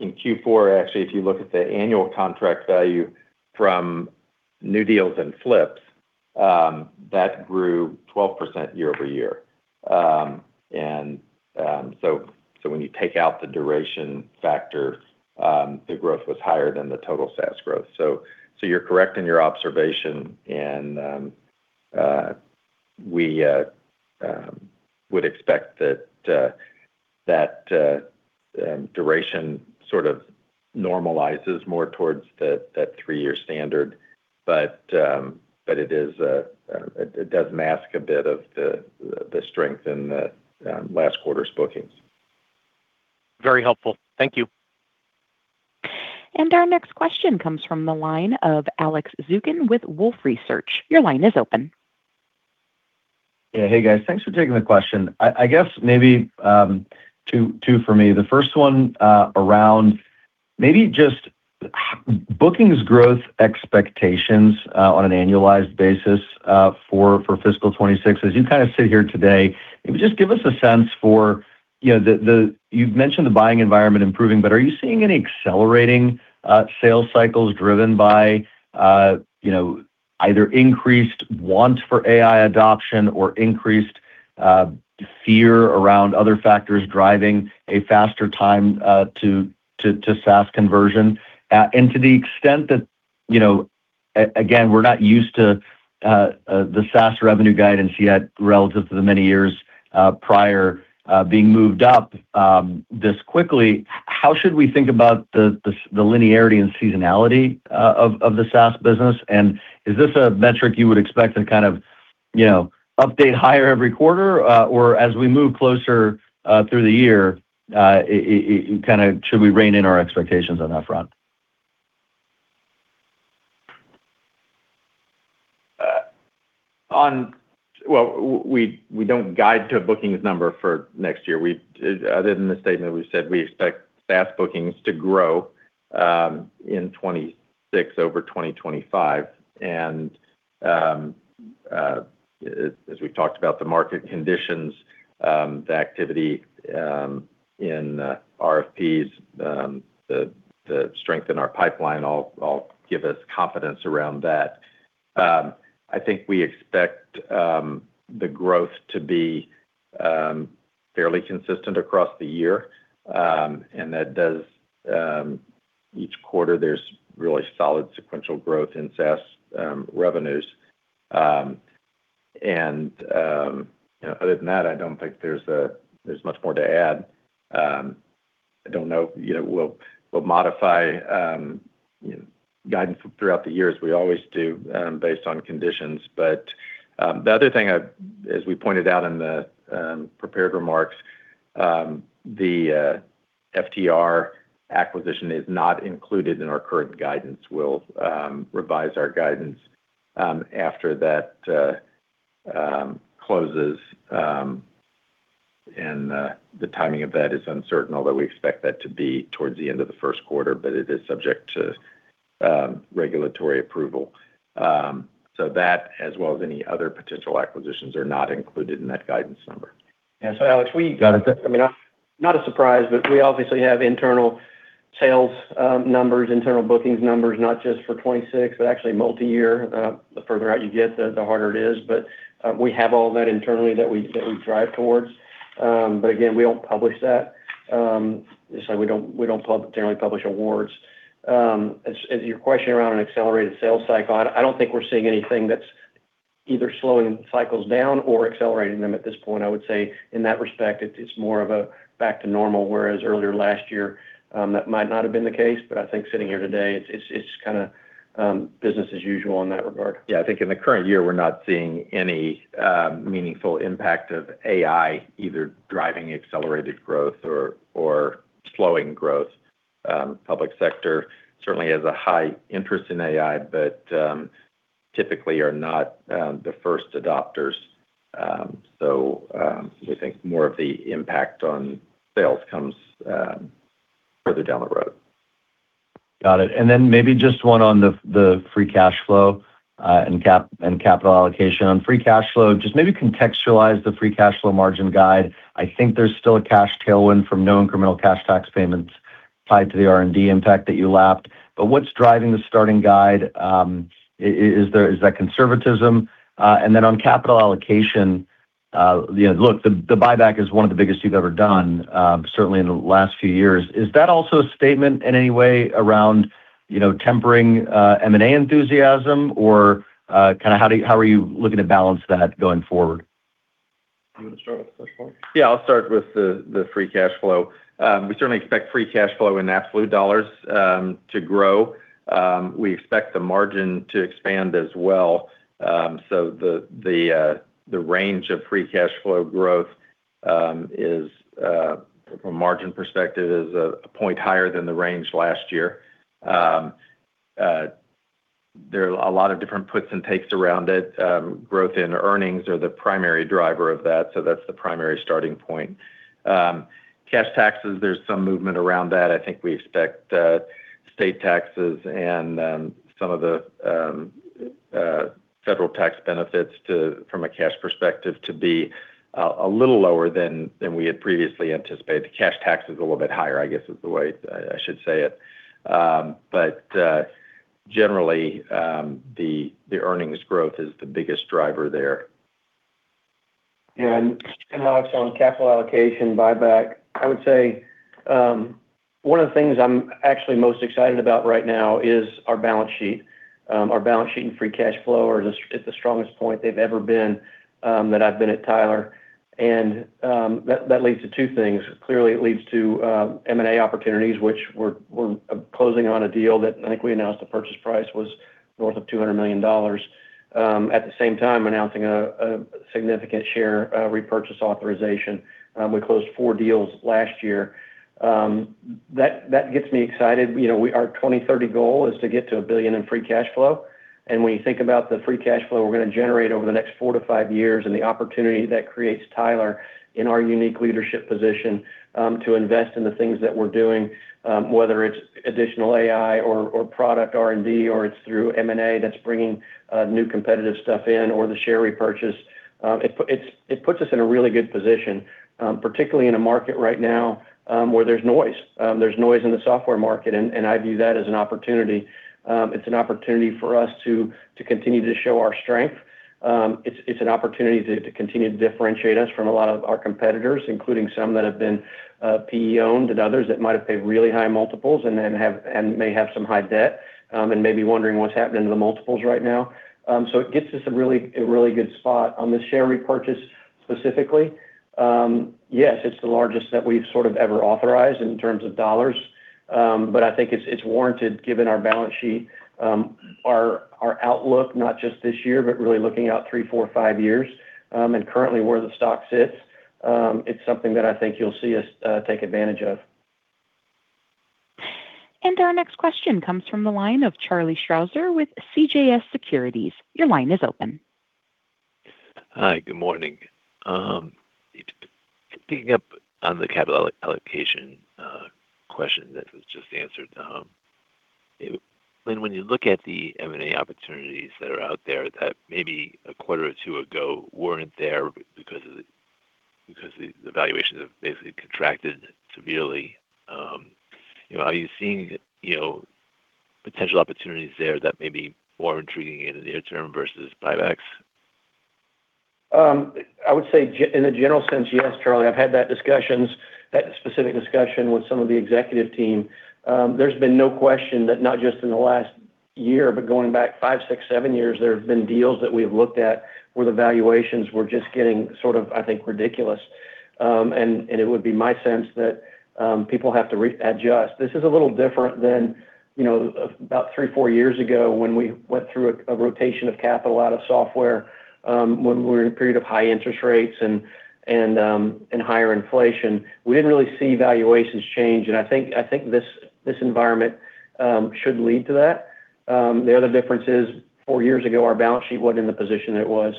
In Q4, actually, if you look at the annual contract value from new deals and flips, that grew 12% year-over-year. And so when you take out the duration factor, the growth was higher than the total SaaS growth. So, you're correct in your observation, and we would expect that duration sort of normalizes more towards that three-year standard. But it is, it does mask a bit of the strength in the last quarter's bookings. Very helpful. Thank you. Our next question comes from the line of Alex Zukin with Wolfe Research. Your line is open. Yeah. Hey, guys, thanks for taking the question. I guess maybe two for me. The first one around maybe just bookings growth expectations on an annualized basis for fiscal 2026. As you kind of sit here today, just give us a sense for, you know, you've mentioned the buying environment improving, but are you seeing any accelerating sales cycles driven by, you know, either increased want for AI adoption or increased fear around other factors driving a faster time to SaaS conversion? And to the extent that, you know, again, we're not used to the SaaS revenue guidance yet relative to the many years prior being moved up this quickly. How should we think about the linearity and seasonality of the SaaS business? Is this a metric you would expect to kind of, you know, update higher every quarter, or as we move closer through the year, kind of should we rein in our expectations on that front? Well, we don't guide to a bookings number for next year. We, other than the statement, we said we expect SaaS bookings to grow in 2026 over 2025. And as we've talked about the market conditions, the activity in RFPs, the strength in our pipeline all give us confidence around that. I think we expect the growth to be fairly consistent across the year. And that does; each quarter, there's really solid sequential growth in SaaS revenues. And other than that, I don't think there's much more to add. I don't know, you know, we'll modify guidance throughout the years. We always do, based on conditions. But, the other thing, as we pointed out in the prepared remarks, the FTR acquisition is not included in our current guidance. We'll revise our guidance after that closes. And, the timing of that is uncertain, although we expect that to be towards the end of the first quarter, but it is subject to regulatory approval. So that, as well as any other potential acquisitions, are not included in that guidance number. Yeah. So, Alex, we... I mean, not a surprise, but we obviously have internal sales numbers, internal bookings numbers, not just for 2026, but actually multi-year. The further out you get, the harder it is. But we have all that internally that we drive towards. But again, we don't publish that. So, we don't generally publish awards. As your question around an accelerated sales cycle, I don't think we're seeing anything that's either slowing cycles down or accelerating them at this point. I would say in that respect, it's more of a back to normal, whereas earlier last year, that might not have been the case, but I think sitting here today, it's kind of business as usual in that regard. Yeah, I think in the current year, we're not seeing any meaningful impact of AI, either driving accelerated growth or slowing growth. Public sector certainly has a high interest in AI, but typically are not the first adopters. So, we think more of the impact on sales comes further down the road. ... Got it. And then maybe just one on the free cash flow and capital allocation. On free cash flow, just maybe contextualize the free cash flow margin guide. I think there's still a cash tailwind from no incremental cash tax payments tied to the R&D impact that you lapped. But what's driving the starting guide? Is there—is that conservatism? And then on capital allocation, you know, look, the buyback is one of the biggest you've ever done, certainly in the last few years. Is that also a statement in any way around, you know, tempering M&A enthusiasm? Or kinda how do you—how are you looking to balance that going forward? You wanna start with the first one? Yeah, I'll start with the free cash flow. We certainly expect Free Cash Flow in absolute dollars to grow. We expect the margin to expand as well. So the range of Free Cash Flow growth, from a margin perspective, is a point higher than the range last year. There are a lot of different puts and takes around it. Growth in earnings are the primary driver of that, so that's the primary starting point. Cash taxes, there's some movement around that. I think we expect state taxes and some of the federal tax benefits to, from a cash perspective, to be a little lower than we had previously anticipated. The cash tax is a little bit higher, I guess, is the way I should say it. But generally, the earnings growth is the biggest driver there. And Alex, on capital allocation buyback, I would say, one of the things I'm actually most excited about right now is our balance sheet. Our balance sheet and free cash flow are at the strongest point they've ever been, that I've been at Tyler. And, that leads to two things. Clearly, it leads to M&A opportunities, which we're closing on a deal that I think we announced the purchase price was north of $200 million. At the same time, announcing a significant share repurchase authorization. We closed 4 deals last year. That gets me excited. You know, our 2030 goal is to get to $1 billion in free cash flow. And when you think about the free cash flow we're gonna generate over the next 4-5 years and the opportunity that creates Tyler in our unique leadership position, to invest in the things that we're doing, whether it's additional AI or product R&D, or it's through M&A, that's bringing new competitive stuff in, or the share repurchase, it puts us in a really good position, particularly in a market right now, where there's noise. There's noise in the software market, and I view that as an opportunity. It's an opportunity for us to continue to show our strength. It's an opportunity to continue to differentiate us from a lot of our competitors, including some that have been PE-owned and others that might have paid really high multiples and may have some high debt, and may be wondering what's happening to the multiples right now. So it gets us a really good spot. On the share repurchase, specifically, yes, it's the largest that we've sort of ever authorized in terms of dollars, but I think it's warranted, given our balance sheet, our outlook, not just this year, but really looking out 3, 4, 5 years, and currently where the stock sits. It's something that I think you'll see us take advantage of. Our next question comes from the line of Charlie Strauzer with CJS Securities. Your line is open. Hi, good morning. Picking up on the capital allocation question that was just answered, when you look at the M&A opportunities that are out there that maybe a quarter or two ago weren't there because the valuations have basically contracted severely, you know, are you seeing, you know, potential opportunities there that may be more intriguing in the near term versus buybacks? I would say in a general sense, yes, Charlie, I've had that discussions, that specific discussion with some of the executive team. There's been no question that not just in the last year, but going back five, six, seven years, there have been deals that we've looked at where the valuations were just getting sort of, I think, ridiculous. And it would be my sense that people have to adjust. This is a little different than, you know, about three, four years ago, when we went through a rotation of capital out of software, when we were in a period of high interest rates and higher inflation. We didn't really see valuations change, and I think this environment should lead to that. The other difference is, four years ago, our balance sheet wasn't in the position it was.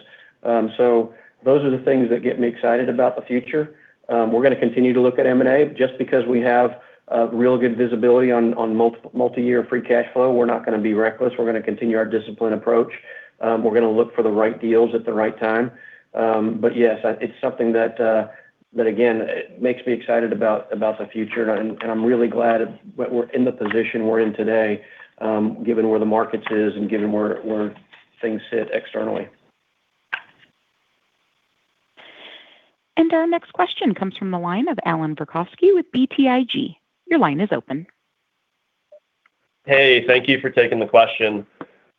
So those are the things that get me excited about the future. We're gonna continue to look at M&A. Just because we have real good visibility on multi-year free cash flow, we're not gonna be reckless. We're gonna continue our disciplined approach. We're gonna look for the right deals at the right time. But yes, it's something that again, it makes me excited about the future, and I'm really glad that we're in the position we're in today, given where the markets is and given where things sit externally. Our next question comes from the line of Allan Verkhovski with BTIG. Your line is open. Hey, thank you for taking the question.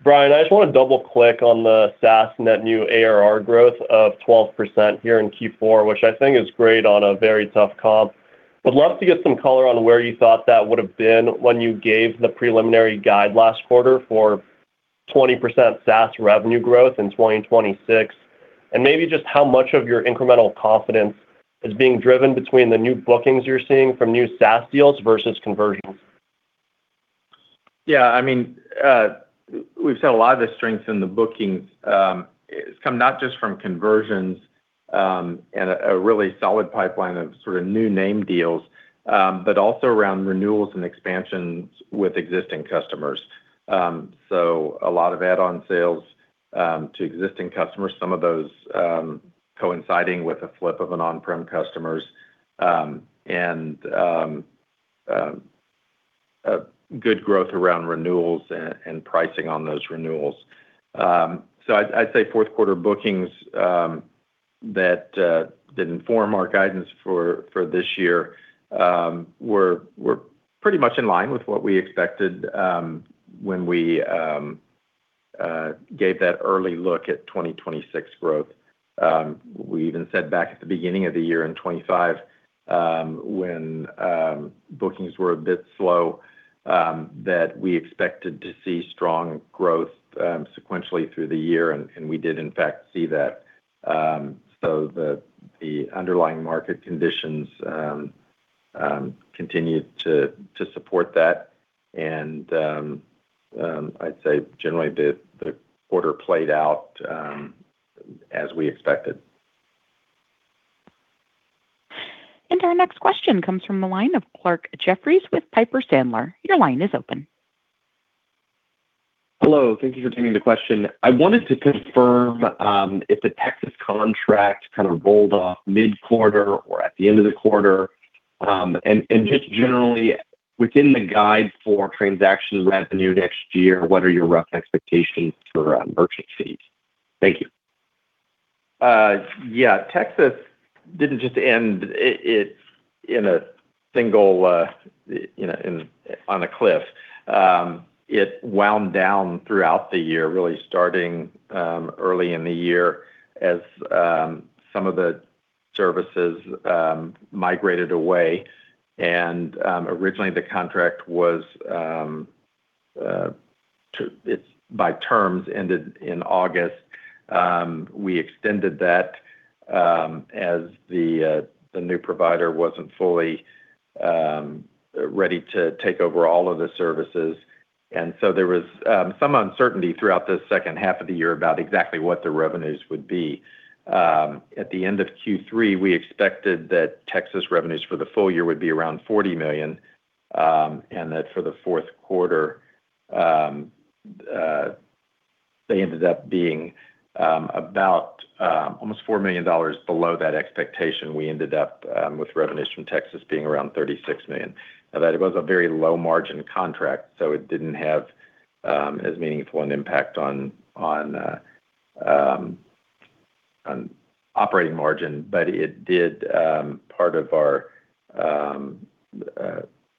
Brian, I just wanna double-click on the SaaS net new ARR growth of 12% here in Q4, which I think is great on a very tough comp. Would love to get some color on where you thought that would have been when you gave the preliminary guide last quarter for 20% SaaS revenue growth in 2026, and maybe just how much of your incremental confidence is being driven between the new bookings you're seeing from new SaaS deals versus conversions? Yeah, I mean, we've seen a lot of the strength in the bookings, it's come not just from conversions and a really solid pipeline of sort of new name deals, but also around renewals and expansions with existing customers. So, a lot of add-on sales to existing customers, some of those coinciding with a flip of an on-prem customers. And a good growth around renewals and pricing on those renewals. So, I'd say fourth quarter bookings that inform our guidance for this year were pretty much in line with what we expected when we gave that early look at 2026 growth. We even said back at the beginning of the year in 2025, when bookings were a bit slow, that we expected to see strong growth sequentially through the year, and we did in fact see that. So, the underlying market conditions continued to support that. And I'd say generally, the quarter played out as we expected. Our next question comes from the line of Clarke Jeffries with Piper Sandler. Your line is open. Hello. Thank you for taking the question. I wanted to confirm if the Texas contract kind of rolled off mid-quarter or at the end of the quarter, and just generally, within the guide for transactions revenue next year, what are your rough expectations for merchant fees? Thank you. Yeah, Texas didn't just end it, it in a single, you know, in, on a cliff. It wound down throughout the year, really starting early in the year as some of the services migrated away. And originally the contract was to... It was by terms ended in August. We extended that as the new provider wasn't fully ready to take over all of the services. And so there was some uncertainty throughout the second half of the year about exactly what the revenues would be. At the end of Q3, we expected that Texas revenues for the full year would be around $40 million, and that for the fourth quarter they ended up being about almost $4 million below that expectation. We ended up with revenues from Texas being around $36 million. Now, that it was a very low-margin contract, so, it didn't have as meaningful an impact on operating margin, but it did part of our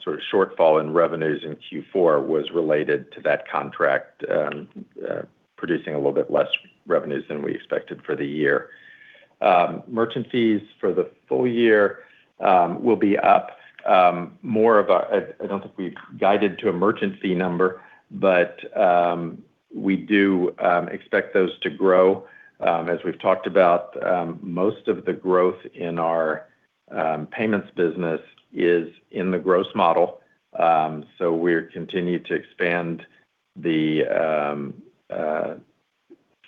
sort of shortfall in revenues in Q4 was related to that contract producing a little bit less revenues than we expected for the year. Merchant fees for the full year will be up more. I, I don't think we've guided to a merchant fee number, but we do expect those to grow. As we've talked about, most of the growth in our payments business is in the gross model. So, we're continuing to expand the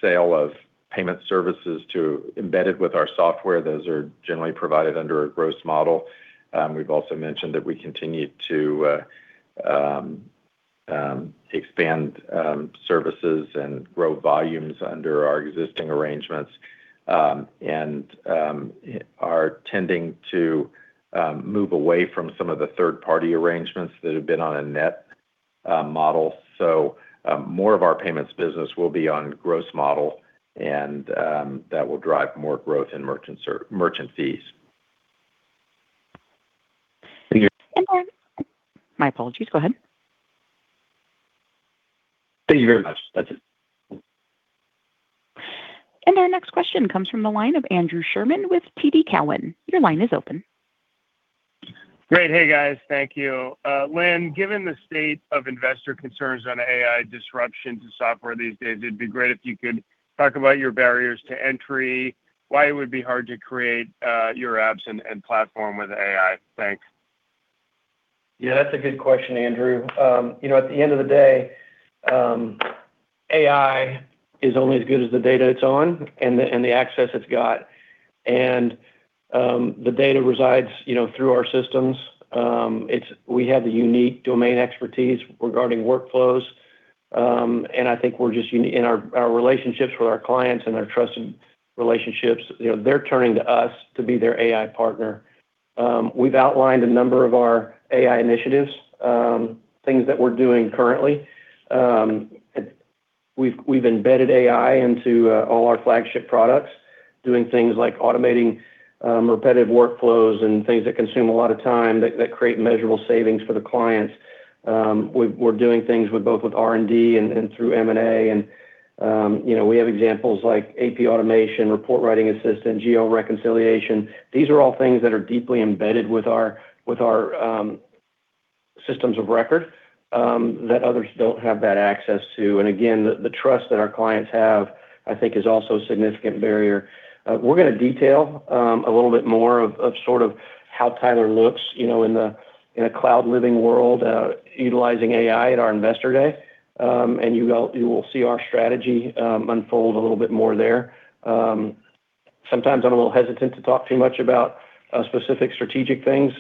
sale of payment services to embedded with our software. Those are generally provided under a gross model. We've also mentioned that we continue to expand services and grow volumes under our existing arrangements, and are tending to move away from some of the third-party arrangements that have been on a net model. So, more of our payments business will be on gross model, and that will drive more growth in merchant fees. Thank you- And then... My apologies. Go ahead. Thank you very much. That's it. Our next question comes from the line of Andrew Sherman with TD Cowen. Your line is open. Great. Hey, guys. Thank you. Lynn, given the state of investor concerns on AI disruption to software these days, it'd be great if you could talk about your barriers to entry, why it would be hard to create your apps and platform with AI? Thanks. Yeah, that's a good question, Andrew. You know, at the end of the day, AI is only as good as the data it's on and the access it's got. The data resides, you know, through our systems. We have the unique domain expertise regarding workflows, and I think our relationships with our clients and our trusted relationships, you know, they're turning to us to be their AI partner. We've outlined a number of our AI initiatives, things that we're doing currently. We've embedded AI into all our flagship products, doing things like automating repetitive workflows and things that consume a lot of time, that create measurable savings for the clients. We're doing things with both R&D and through M&A, and, you know, we have examples like AP automation, report writing, assistant geo-reconciliation. These are all things that are deeply embedded with our systems of record that others don't have that access to. And again, the trust that our clients have, I think, is also a significant barrier. We're gonna detail a little bit more of sort of how Tyler looks, you know, in a cloud-living world, utilizing AI at our investor day. And you will see our strategy unfold a little bit more there. Sometimes I'm a little hesitant to talk too much about specific strategic things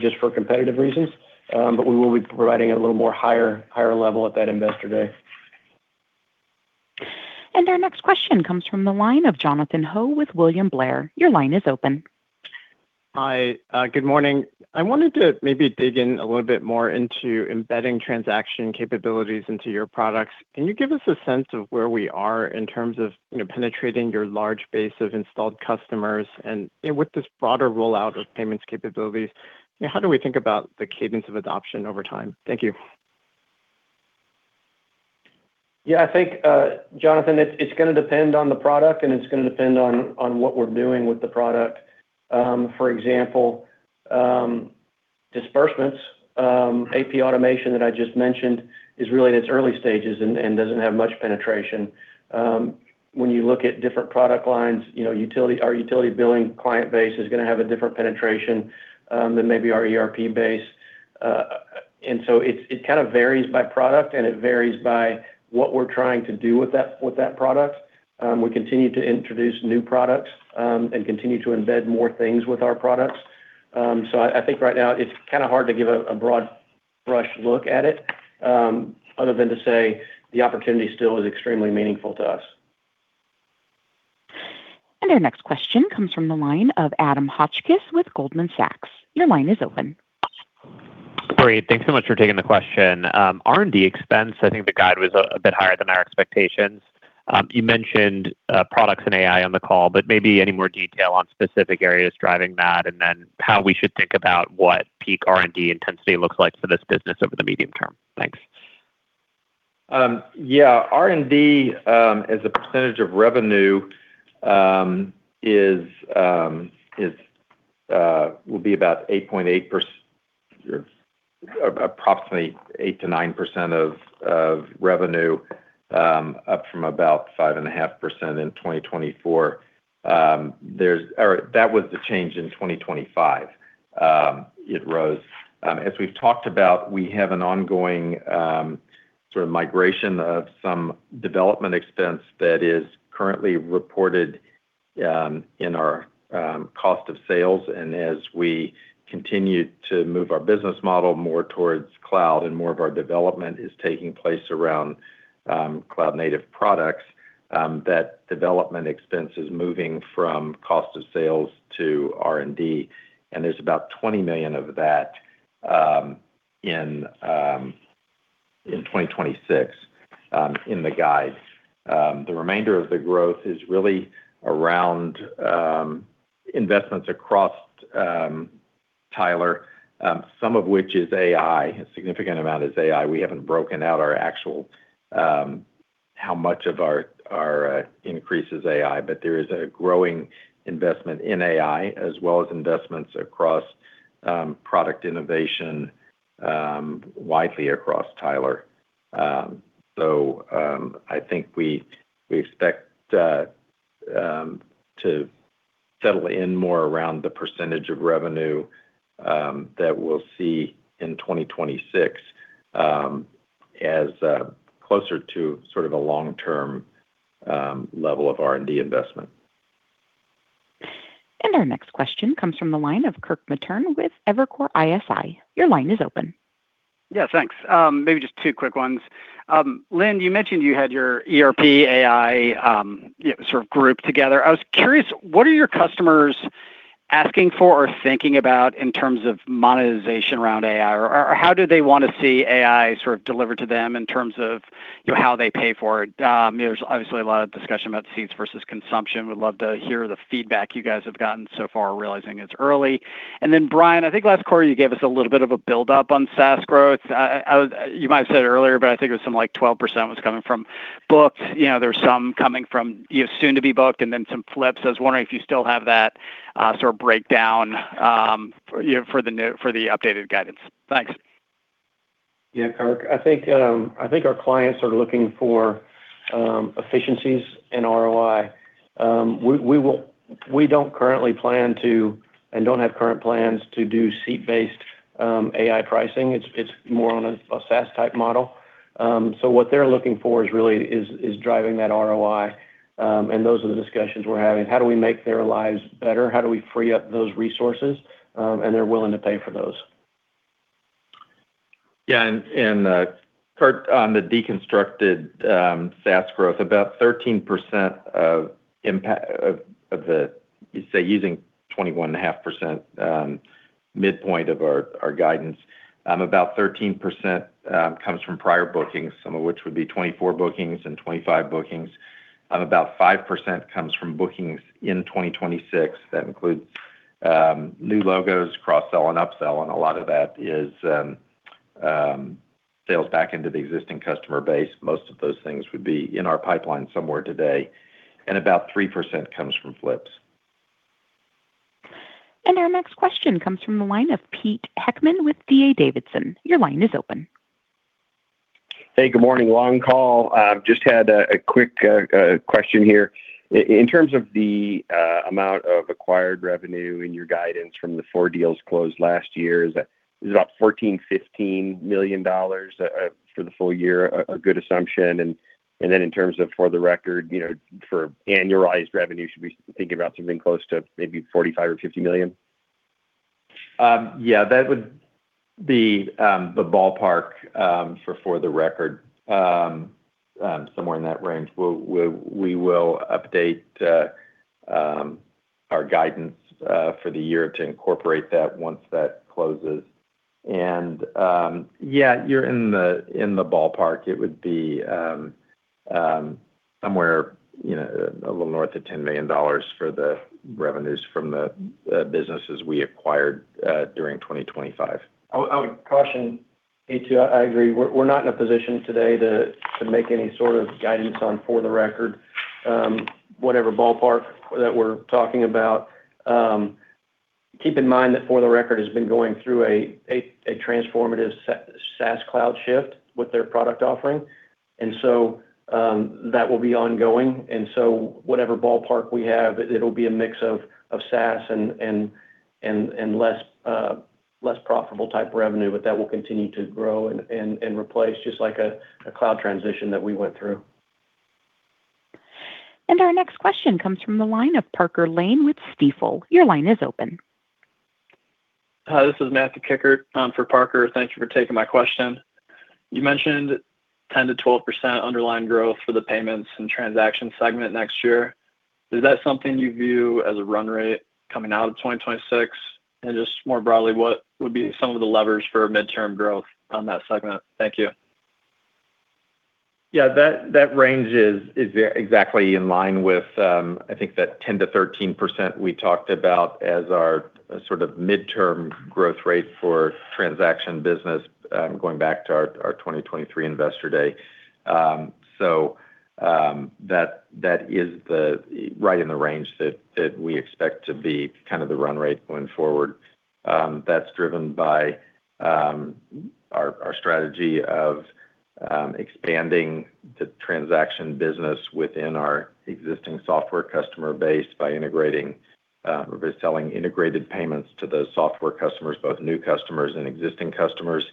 just for competitive reasons, but we will be providing a little more higher level at that investor day. Our next question comes from the line of Jonathan Ho with William Blair. Your line is open. Hi, good morning. I wanted to maybe dig in a little bit more into embedding transaction capabilities into your products. Can you give us a sense of where we are in terms of, you know, penetrating your large base of installed customers? And with this broader rollout of payments capabilities, how do we think about the cadence of adoption over time? Thank you. Yeah, I think, Jonathan, it's gonna depend on the product, and it's gonna depend on what we're doing with the product. For example, disbursements, AP automation that I just mentioned is really in its early stages and doesn't have much penetration. When you look at different product lines, you know, utility—our utility billing client base is gonna have a different penetration than maybe our ERP base. And so, it kind of varies by product, and it varies by what we're trying to do with that product. We continue to introduce new products and continue to embed more things with our products. So, I think right now it's kinda hard to give a broad brush look at it, other than to say the opportunity still is extremely meaningful to us. Our next question comes from the line of Adam Hotchkiss with Goldman Sachs. Your line is open. Great. Thanks so much for taking the question. R&D expense, I think the guide was a bit higher than our expectations. You mentioned products and AI on the call, but maybe any more detail on specific areas driving that, and then how we should think about what peak R&D intensity looks like for this business over the medium term? Thanks. Yeah, R&D as a percentage of revenue will be approximately 8%-9% of revenue, up from about 5.5% in 2024. Or that was the change in 2025. It rose. As we've talked about, we have an ongoing sort of migration of some development expense that is currently reported in our cost of sales. And as we continue to move our business model more towards cloud and more of our development is taking place around cloud-native products, that development expense is moving from cost of sales to R&D, and there's about $20 million of that in 2026 in the guide. The remainder of the growth is really around investments across Tyler, some of which is AI. A significant amount is AI. We haven't broken out our actual how much of our increase is AI, but there is a growing investment in AI, as well as investments across product innovation widely across Tyler. So, I think we expect to settle in more around the percentage of revenue that we'll see in 2026, as closer to sort of a long-term level of R&D investment. Our next question comes from the line of Kirk Materne with Evercore ISI. Your line is open. Yeah, thanks. Maybe just two quick ones. Lynn, you mentioned you had your ERP, AI, you know, sort of grouped together. I was curious, what are your customers asking for or thinking about in terms of monetization around AI? Or, or how do they want to see AI sort of delivered to them in terms of, you know, how they pay for it? There's obviously a lot of discussion about seats versus consumption. Would love to hear the feedback you guys have gotten so far, realizing it's early. And then, Brian, I think last quarter you gave us a little bit of a build-up on SaaS growth. You might have said it earlier, but I think it was something like 12% was coming from booked. You know, there was some coming from, you know, soon to be booked, and then some flips. I was wondering if you still have that sort of breakdown, you know, for the updated guidance? Thanks. Yeah, Kirk, I think, I think our clients are looking for, efficiencies in ROI. We don't currently plan to and don't have current plans to do seat-based, AI pricing. It's more on a SaaS-type model. So what they're looking for is really driving that ROI, and those are the discussions we're having. How do we make their lives better? How do we free up those resources? And they're willing to pay for those. Yeah, and, Kirk, on the deconstructed SaaS growth, about 13% of impact, of the... Say, using 21.5%, midpoint of our guidance, about 13% comes from prior bookings, some of which would be 2024 bookings and 2025 bookings. About 5% comes from bookings in 2026. That includes new logos, cross-sell and upsell, and a lot of that is sales back into the existing customer base. Most of those things would be in our pipeline somewhere today, and about 3% comes from flips. Our next question comes from the line of Pete Heckmann with D.A. Davidson. Your line is open. Hey, good morning. Long call. I've just had a quick question here. In terms of the amount of acquired revenue in your guidance from the 4 deals closed last year, is that about $14-$15 million for the full year a good assumption? And then in terms of For The Record, you know, for annualized revenue, should we be thinking about something close to maybe $45 or $50 million? Yeah, that would be the ballpark for For The Record. Somewhere in that range. We'll update our guidance for the year to incorporate that once that closes. And yeah, you're in the ballpark. It would be somewhere, you know, a little north of $10 million for the revenues from the businesses we acquired during 2025. I would caution, Pete, too. I agree. We're not in a position today to make any sort of guidance on For The Record. Whatever ballpark that we're talking about, keep in mind that For The Record has been going through a transformative SaaS cloud shift with their product offering, and so that will be ongoing. And so whatever ballpark we have, it'll be a mix of SaaS and less profitable type revenue, but that will continue to grow and replace, just like a cloud transition that we went through. Our next question comes from the line of Parker Lane with Stifel. Your line is open. Hi, this is Matthew Kikkert for Parker. Thank you for taking my question. You mentioned 10%-12% underlying growth for the payments and transaction segment next year. Is that something you view as a run rate coming out of 2026? And just more broadly, what would be some of the levers for midterm growth on that segment? Thank you. Yeah, that range is exactly in line with, I think, that 10%-13% we talked about as our sort of midterm growth rate for transaction business, going back to our 2023 investor day. So, that is right in the range that we expect to be kind of the run rate going forward. That's driven by our strategy of expanding the transaction business within our existing software customer base by selling integrated payments to those software customers, both new customers and existing customers.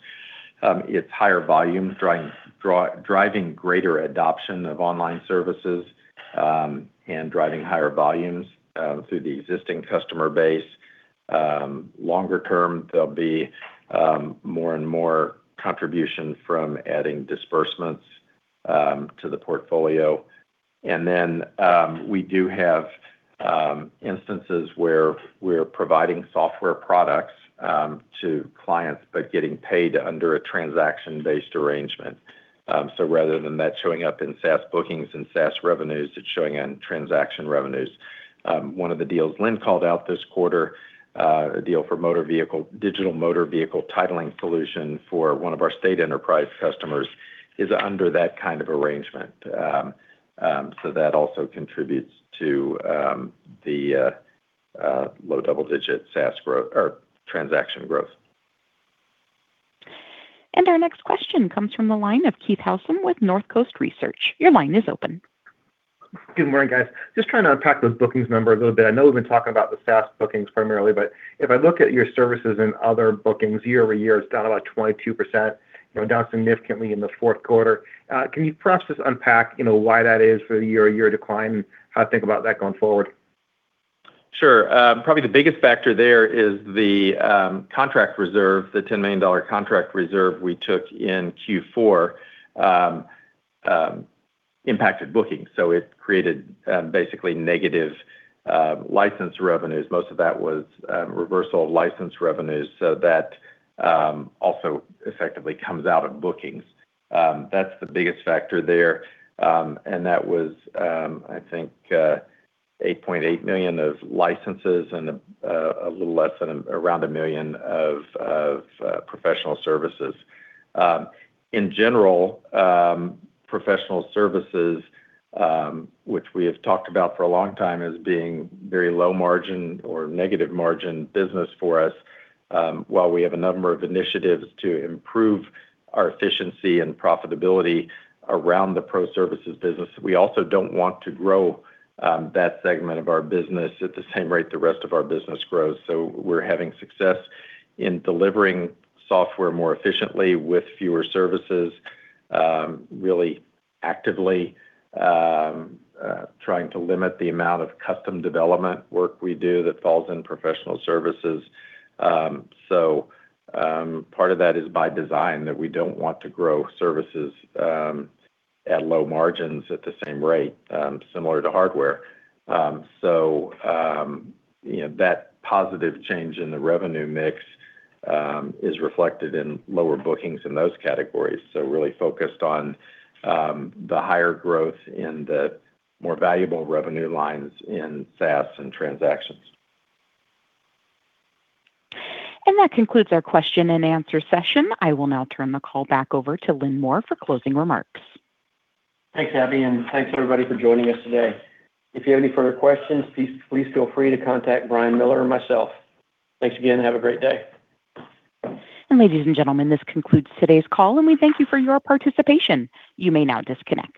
It's higher volume driving greater adoption of online services, and driving higher volumes through the existing customer base. Longer term, there'll be more and more contribution from adding disbursements to the portfolio. And then, we do have instances where we're providing software products to clients, but getting paid under a transaction-based arrangement. So rather than that showing up in SaaS bookings and SaaS revenues, it's showing in transaction revenues. One of the deals Lynn called out this quarter, a deal for motor vehicle-digital motor vehicle titling solution for one of our state enterprise customers, is under that kind of arrangement. So that also contributes to the low double-digit SaaS growth or transaction growth. Our next question comes from the line of Keith Housum with Northcoast Research. Your line is open. Good morning, guys. Just trying to unpack those bookings number a little bit. I know we've been talking about the SaaS bookings primarily, but if I look at your services and other bookings year-over-year, it's down about 22%, going down significantly in the fourth quarter. Can you perhaps just unpack, you know, why that is for a year-to-year decline, and how to think about that going forward? Sure. Probably the biggest factor there is the contract reserve, the $10 million contract reserve we took in Q4, impacted bookings. So it created basically negative license revenues. Most of that was reversal of license revenues, so that also effectively comes out of bookings. That's the biggest factor there. And that was, I think, $8.8 million of licenses and a little less than around $1 million of professional services. In general, professional services, which we have talked about for a long time as being very low margin or negative margin business for us, while we have a number of initiatives to improve our efficiency and profitability around the pro services business, we also don't want to grow that segment of our business at the same rate the rest of our business grows. So, we're having success in delivering software more efficiently with fewer services, really actively trying to limit the amount of custom development work we do that falls in professional services. So, part of that is by design, that we don't want to grow services at low margins at the same rate, similar to hardware. So, you know, that positive change in the revenue mix is reflected in lower bookings in those categories. So, really focused on the higher growth in the more valuable revenue lines in SaaS and transactions. That concludes our question and answer session. I will now turn the call back over to Lynn Moore for closing remarks. Thanks, Abby, and thanks, everybody, for joining us today. If you have any further questions, please, please feel free to contact Brian Miller or myself. Thanks again. Have a great day. Ladies and gentlemen, this concludes today's call, and we thank you for your participation. You may now disconnect.